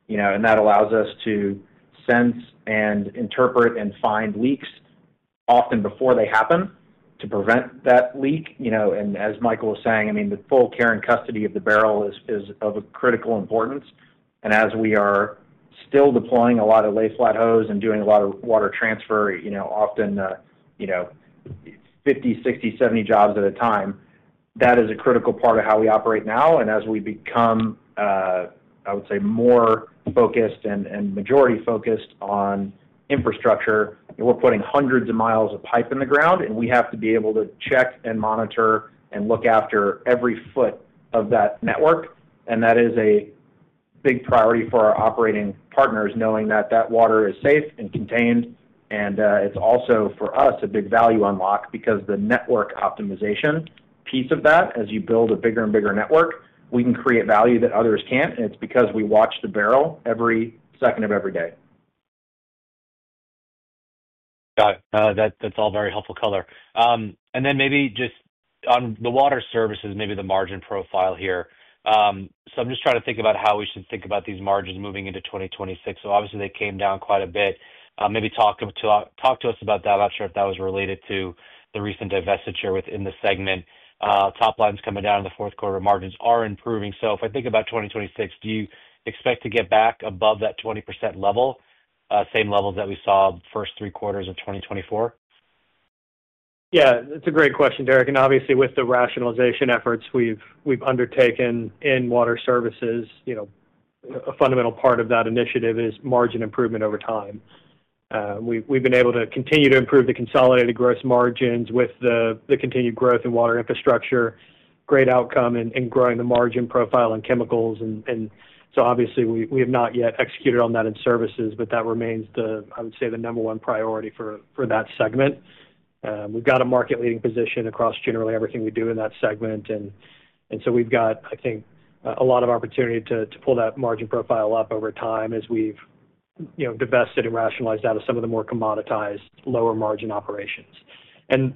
That allows us to sense and interpret and find leaks often before they happen to prevent that leak. As Michael was saying, I mean, the full care and custody of the barrel is of critical importance. As we are still deploying a lot of lay-flat hose and doing a lot of water transfer, often 50, 60, 70 jobs at a time, that is a critical part of how we operate now. As we become, I would say, more focused and majority focused on infrastructure, we're putting hundreds of miles of pipe in the ground. We have to be able to check and monitor and look after every foot of that network. That is a big priority for our operating partners, knowing that that water is safe and contained. It is also for us a big value unlock because the network optimization piece of that, as you build a bigger and bigger network, we can create value that others cannot. It is because we watch the barrel every second of every day. Got it. That is all very helpful color. Maybe just on the water services, maybe the margin profile here. I am just trying to think about how we should think about these margins moving into 2026. Obviously, they came down quite a bit. Maybe talk to us about that. I am not sure if that was related to the recent divestiture within the segment. Top line's coming down in the fourth quarter. Margins are improving. If I think about 2026, do you expect to get back above that 20% level, same levels that we saw first three quarters of 2024? Yeah. That's a great question, Derek. Obviously, with the rationalization efforts we've undertaken in Water Services, a fundamental part of that initiative is margin improvement over time. We've been able to continue to improve the consolidated gross margins with the continued growth in water infrastructure. Great outcome in growing the margin profile and chemicals. Obviously, we have not yet executed on that in services, but that remains, I would say, the number one priority for that segment. We've got a market-leading position across generally everything we do in that segment. I think we've got a lot of opportunity to pull that margin profile up over time as we've divested and rationalized out of some of the more commoditized, lower-margin operations.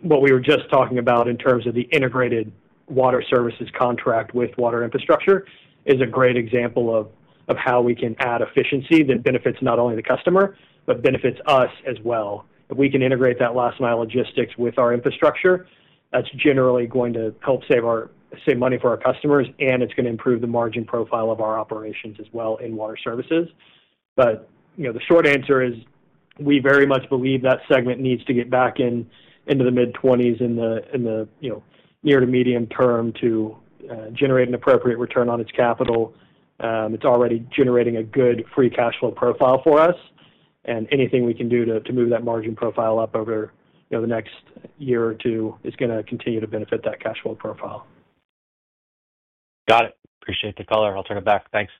What we were just talking about in terms of the integrated water services contract with Water Infrastructure is a great example of how we can add efficiency that benefits not only the customer, but benefits us as well. If we can integrate that last-mile logistics with our infrastructure, that's generally going to help save money for our customers, and it's going to improve the margin profile of our operations as well in Water Services. The short answer is we very much believe that segment needs to get back into the mid-20s in the near to medium term to generate an appropriate return on its capital. It's already generating a good free cash flow profile for us. Anything we can do to move that margin profile up over the next year or two is going to continue to benefit that cash flow profile. Got it. Appreciate the color. I'll turn it back. Thanks.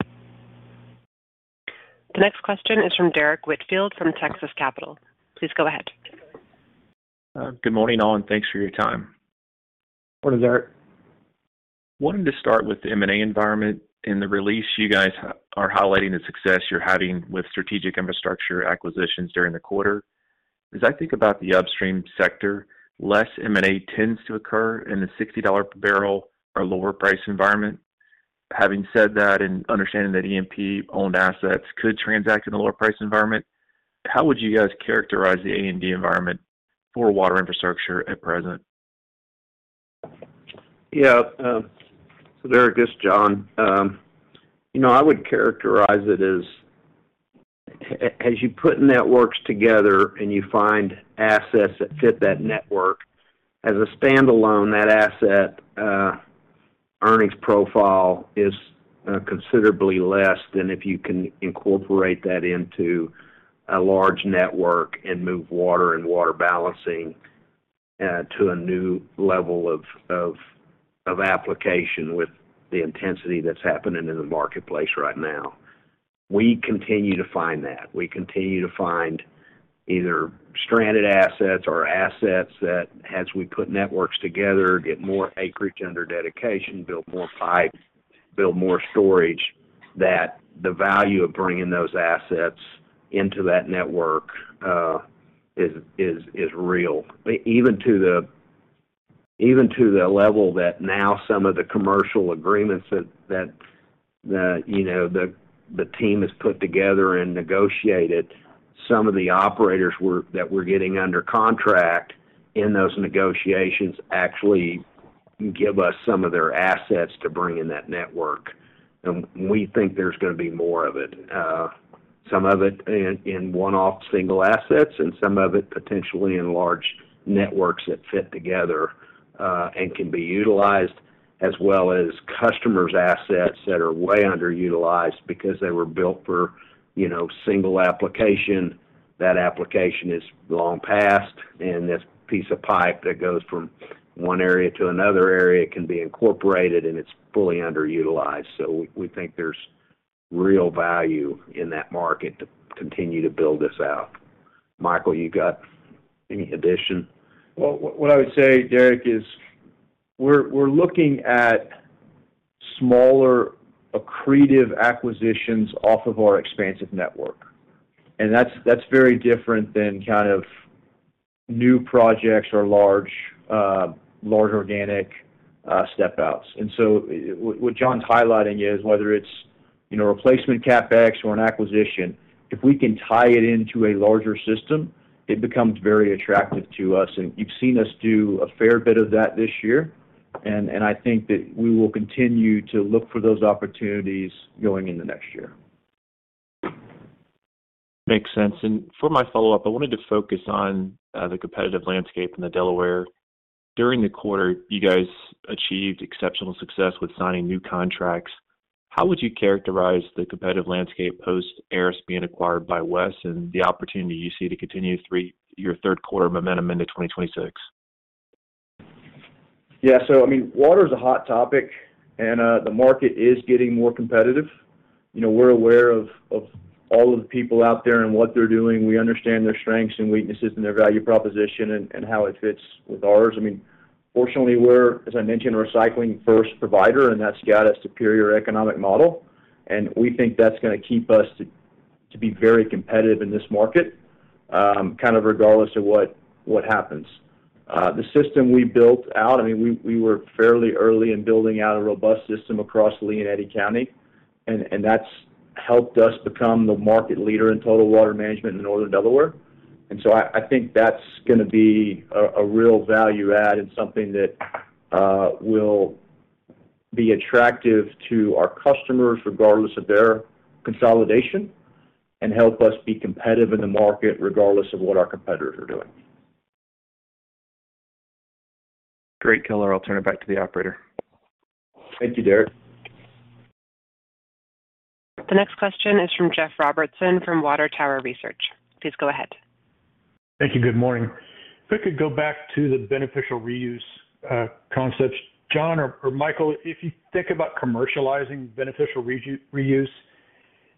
The next question is from Derrick Whitfield from Texas Capital. Please go ahead. Good morning, all, and thanks for your time. Morning, Derrick. Wanted to start with the M&A environment and the release you guys are highlighting the success you're having with strategic infrastructure acquisitions during the quarter. As I think about the upstream sector, less M&A tends to occur in the $60 per barrel or lower-priced environment. Having said that and understanding that EMP-owned assets could transact in the lower-priced environment, how would you guys characterize the A&D environment for water infrastructure at present? Yeah. Derrick, this is John. I would characterize it as, as you put networks together and you find assets that fit that network, as a standalone, that asset earnings profile is considerably less than if you can incorporate that into a large network and move water and water balancing to a new level of application with the intensity that's happening in the marketplace right now. We continue to find that. We continue to find either stranded assets or assets that, as we put networks together, get more acreage under dedication, build more pipes, build more storage, that the value of bringing those assets into that network is real. Even to the level that now some of the commercial agreements that the team has put together and negotiated, some of the operators that we're getting under contract in those negotiations actually give us some of their assets to bring in that network. We think there's going to be more of it. Some of it in one-off single assets and some of it potentially in large networks that fit together. It can be utilized, as well as customers' assets that are way underutilized because they were built for a single application. That application is long past, and this piece of pipe that goes from one area to another area can be incorporated, and it's fully underutilized. We think there's real value in that market to continue to build this out. Michael, you got any addition? I would say, Derrick, we are looking at smaller accretive acquisitions off of our expansive network. That's very different than kind of new projects or large organic step-outs. What John's highlighting is, whether it's replacement CapEx or an acquisition, if we can tie it into a larger system, it becomes very attractive to us. You've seen us do a fair bit of that this year. I think that we will continue to look for those opportunities going into next year. Makes sense. For my follow-up, I wanted to focus on the competitive landscape in Delaware. During the quarter, you guys achieved exceptional success with signing new contracts. How would you characterize the competitive landscape post-Aris being acquired by WES and the opportunity you see to continue your third-quarter momentum into 2026? Yeah. I mean, water is a hot topic, and the market is getting more competitive. We're aware of all of the people out there and what they're doing. We understand their strengths and weaknesses and their value proposition and how it fits with ours. Fortunately, we're, as I mentioned, a recycling-first provider, and that's got a superior economic model. We think that's going to keep us very competitive in this market, kind of regardless of what happens. The system we built out, I mean, we were fairly early in building out a robust system across Lea County, and that's helped us become the market leader in total water management in Northern Delaware. I think that's going to be a real value-add and something that will be attractive to our customers regardless of their consolidation and help us be competitive in the market regardless of what our competitors are doing. Great color. I'll turn it back to the operator. Thank you, Derrick. The next question is from Jeff Robertson from Water Tower Research. Please go ahead. Thank you. Good morning. If I could go back to the beneficial reuse concepts, John or Michael, if you think about commercializing beneficial reuse,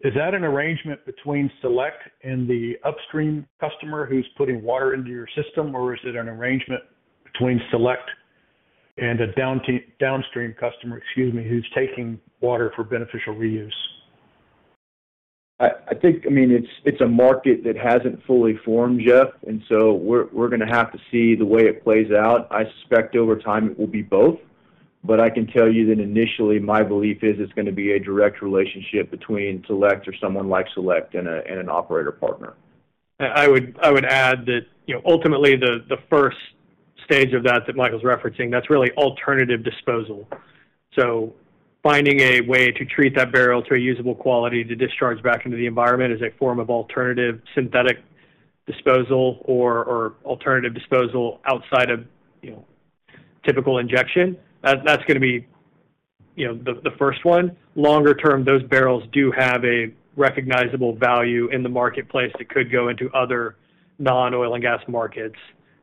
is that an arrangement between Select and the upstream customer who's putting water into your system, or is it an arrangement between Select and a downstream customer, excuse me, who's taking water for beneficial reuse? I mean, it's a market that hasn't fully formed, Jeff, and we are going to have to see the way it plays out. I suspect over time it will be both. I can tell you that initially, my belief is it's going to be a direct relationship between Select or someone like Select and an operator partner. I would add that ultimately, the first stage of that that Michael's referencing, that's really alternative disposal. Finding a way to treat that barrel to a usable quality to discharge back into the environment is a form of alternative synthetic disposal or alternative disposal outside of typical injection. That is going to be the first one. Longer term, those barrels do have a recognizable value in the marketplace that could go into other non-oil and gas markets.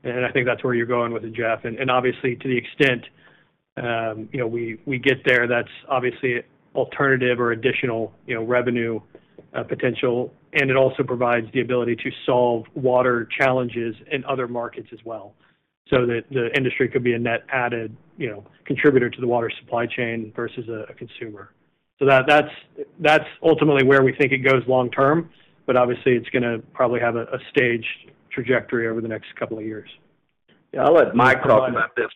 I think that is where you are going with it, Jeff. Obviously, to the extent we get there, that is alternative or additional revenue potential. It also provides the ability to solve water challenges in other markets as well so that the industry could be a net-added contributor to the water supply chain versus a consumer. That is ultimately where we think it goes long term, but it is probably going to have a staged trajectory over the next couple of years. I will let Mike talk about this.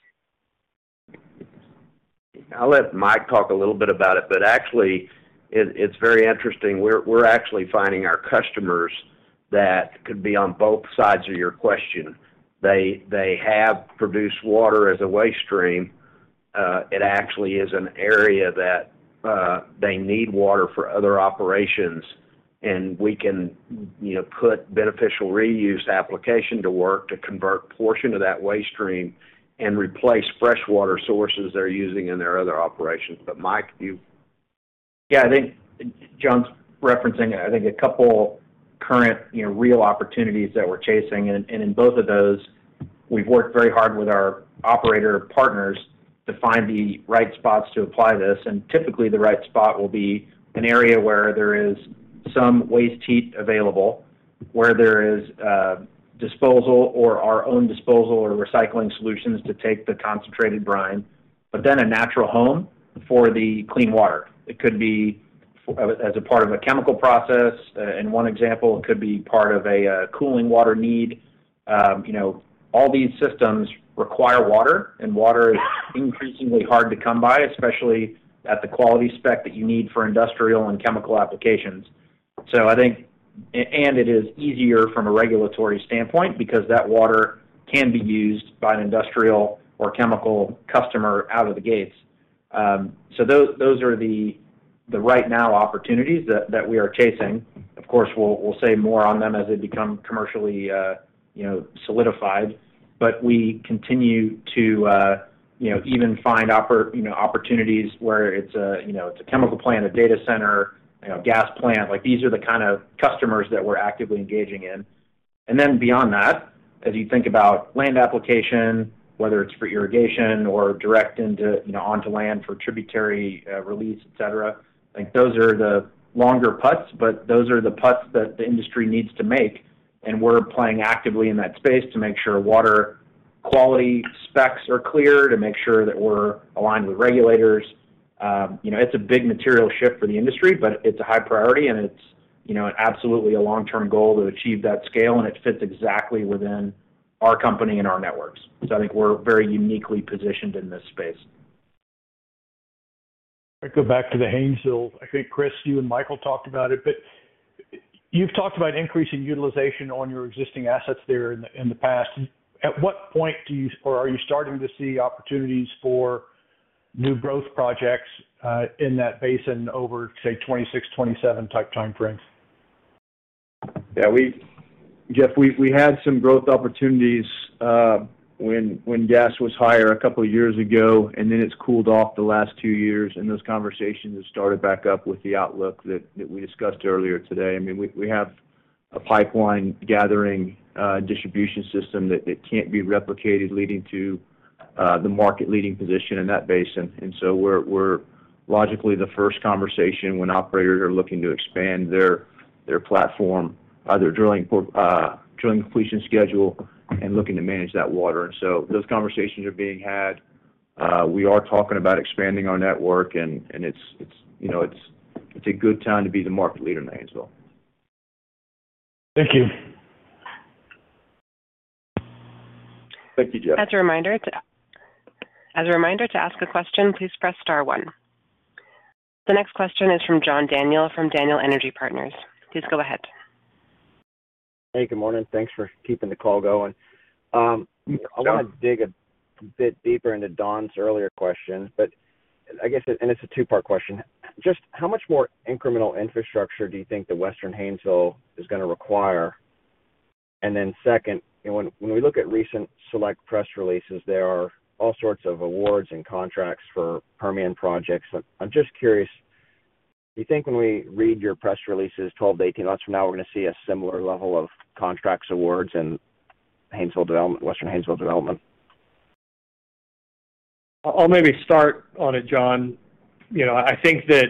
I'll let Mike talk a little bit about it, but actually, it's very interesting. We're actually finding our customers that could be on both sides of your question. They have produced water as a waste stream. It actually is an area that they need water for other operations. We can put beneficial reuse application to work to convert a portion of that waste stream and replace freshwater sources they're using in their other operations. Mike, you? Yeah. I think John's referencing, I think, a couple of current real opportunities that we're chasing. In both of those, we've worked very hard with our operator partners to find the right spots to apply this. Typically, the right spot will be an area where there is some waste heat available, where there is disposal or our own disposal or recycling solutions to take the concentrated brine, but then a natural home for the clean water. It could be as a part of a chemical process. In one example, it could be part of a cooling water need. All these systems require water, and water is increasingly hard to come by, especially at the quality spec that you need for industrial and chemical applications. It is easier from a regulatory standpoint because that water can be used by an industrial or chemical customer out of the gates. Those are the right-now opportunities that we are chasing. Of course, we will say more on them as they become commercially solidified. We continue to even find opportunities where it is a chemical plant, a data center, a gas plant. These are the kind of customers that we are actively engaging in. Beyond that, as you think about land application, whether it's for irrigation or direct onto land for tributary release, etc., I think those are the longer putts, but those are the putts that the industry needs to make. We're playing actively in that space to make sure water quality specs are clear, to make sure that we're aligned with regulators. It's a big material shift for the industry, but it's a high priority, and it's absolutely a long-term goal to achieve that scale, and it fits exactly within our company and our networks. I think we're very uniquely positioned in this space. I go back to the Haynesville. I think, Chris, you and Michael talked about it. You've talked about increasing utilization on your existing assets there in the past. At what point do you or are you starting to see opportunities for. New growth projects in that basin over, say, 2026, 2027-type timeframes? Yeah. Jeff, we had some growth opportunities. When gas was higher a couple of years ago, and then it's cooled off the last two years. Those conversations have started back up with the outlook that we discussed earlier today. I mean, we have a pipeline gathering distribution system that can't be replicated, leading to the market-leading position in that basin. We are logically the first conversation when operators are looking to expand their platform, their drilling, completion schedule, and looking to manage that water. Those conversations are being had. We are talking about expanding our network, and it's a good time to be the market leader in the Haynesville. Thank you. Thank you, Jeff. As a reminder, to ask a question, please press star one. The next question is from John Daniel from Daniel Energy Partners. Please go ahead. Hey, good morning. Thanks for keeping the call going. I want to dig a bit deeper into Don's earlier question, but I guess, and it's a two-part question. Just how much more incremental infrastructure do you think the Western Haynesville is going to require? And then second, when we look at recent Select press releases, there are all sorts of awards and contracts for Permian projects. I'm just curious. Do you think when we read your press releases, 12-18 months from now, we're going to see a similar level of contracts, awards, and Western Haynesville development? I'll maybe start on it, John. I think that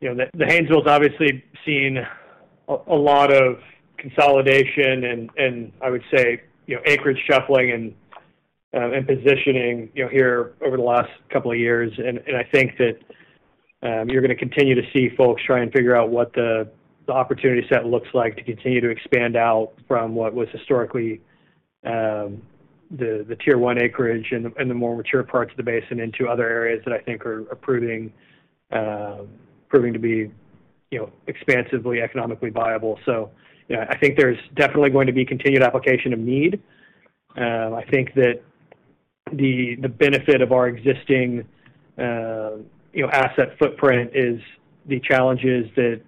the Haynesville's obviously seen a lot of consolidation and, I would say, acreage shuffling and positioning here over the last couple of years. And I think that you're going to continue to see folks try and figure out what the opportunity set looks like to continue to expand out from what was historically the tier one acreage and the more mature parts of the basin into other areas that I think are proving to be expansively economically viable. I think there's definitely going to be continued application of need. I think that the benefit of our existing asset footprint is the challenges that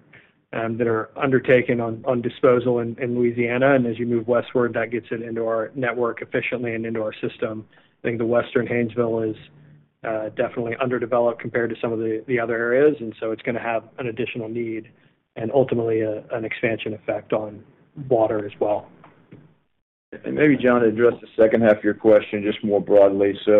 are undertaken on disposal in Louisiana. As you move westward, that gets it into our network efficiently and into our system. I think the western Haynesville is definitely underdeveloped compared to some of the other areas. It's going to have an additional need and ultimately an expansion effect on water as well. Maybe, John, address the second half of your question just more broadly. As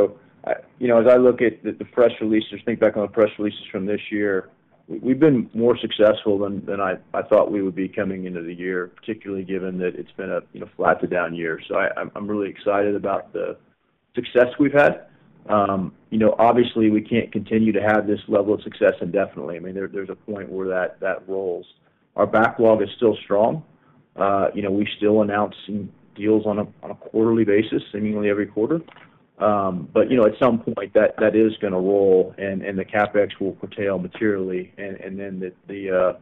I look at the press releases, think back on the press releases from this year, we've been more successful than I thought we would be coming into the year, particularly given that it's been a flat-to-down year. I'm really excited about the success we've had. Obviously, we can't continue to have this level of success indefinitely. I mean, there's a point where that rolls. Our backlog is still strong. We still announce deals on a quarterly basis, seemingly every quarter. At some point, that is going to roll, and the CapEx will curtail materially, and then the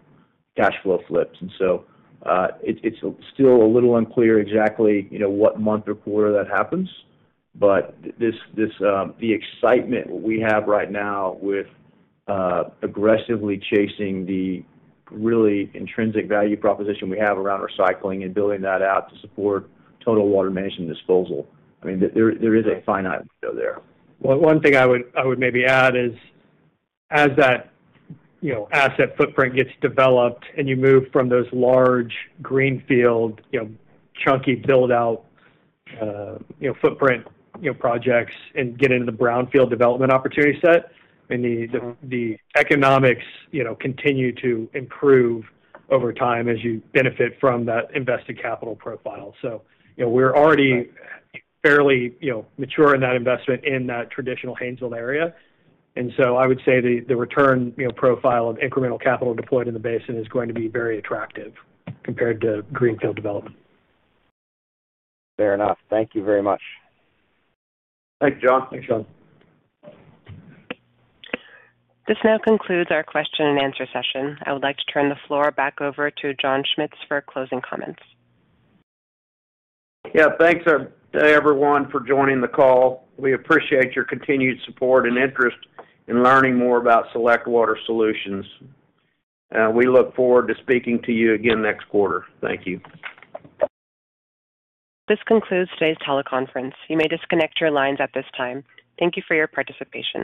cash flow flips. It's still a little unclear exactly what month or quarter that happens. The excitement we have right now with. Aggressively chasing the really intrinsic value proposition we have around recycling and building that out to support total water management disposal, I mean, there is a finite window there. One thing I would maybe add is, as that asset footprint gets developed and you move from those large greenfield, chunky build-out footprint projects and get into the brownfield development opportunity set, I mean, the economics continue to improve over time as you benefit from that invested capital profile. So we're already fairly mature in that investment in that traditional Haynesville area. And I would say the return profile of incremental capital deployed in the basin is going to be very attractive compared to greenfield development. Fair enough. Thank you very much. Thank you, John. Thanks, John. This now concludes our question and answer session. I would like to turn the floor back over to John Schmitz for closing comments. Yeah. Thanks, everyone, for joining the call. We appreciate your continued support and interest in learning more about Select Water Solutions. We look forward to speaking to you again next quarter. Thank you. This concludes today's teleconference. You may disconnect your lines at this time. Thank you for your participation.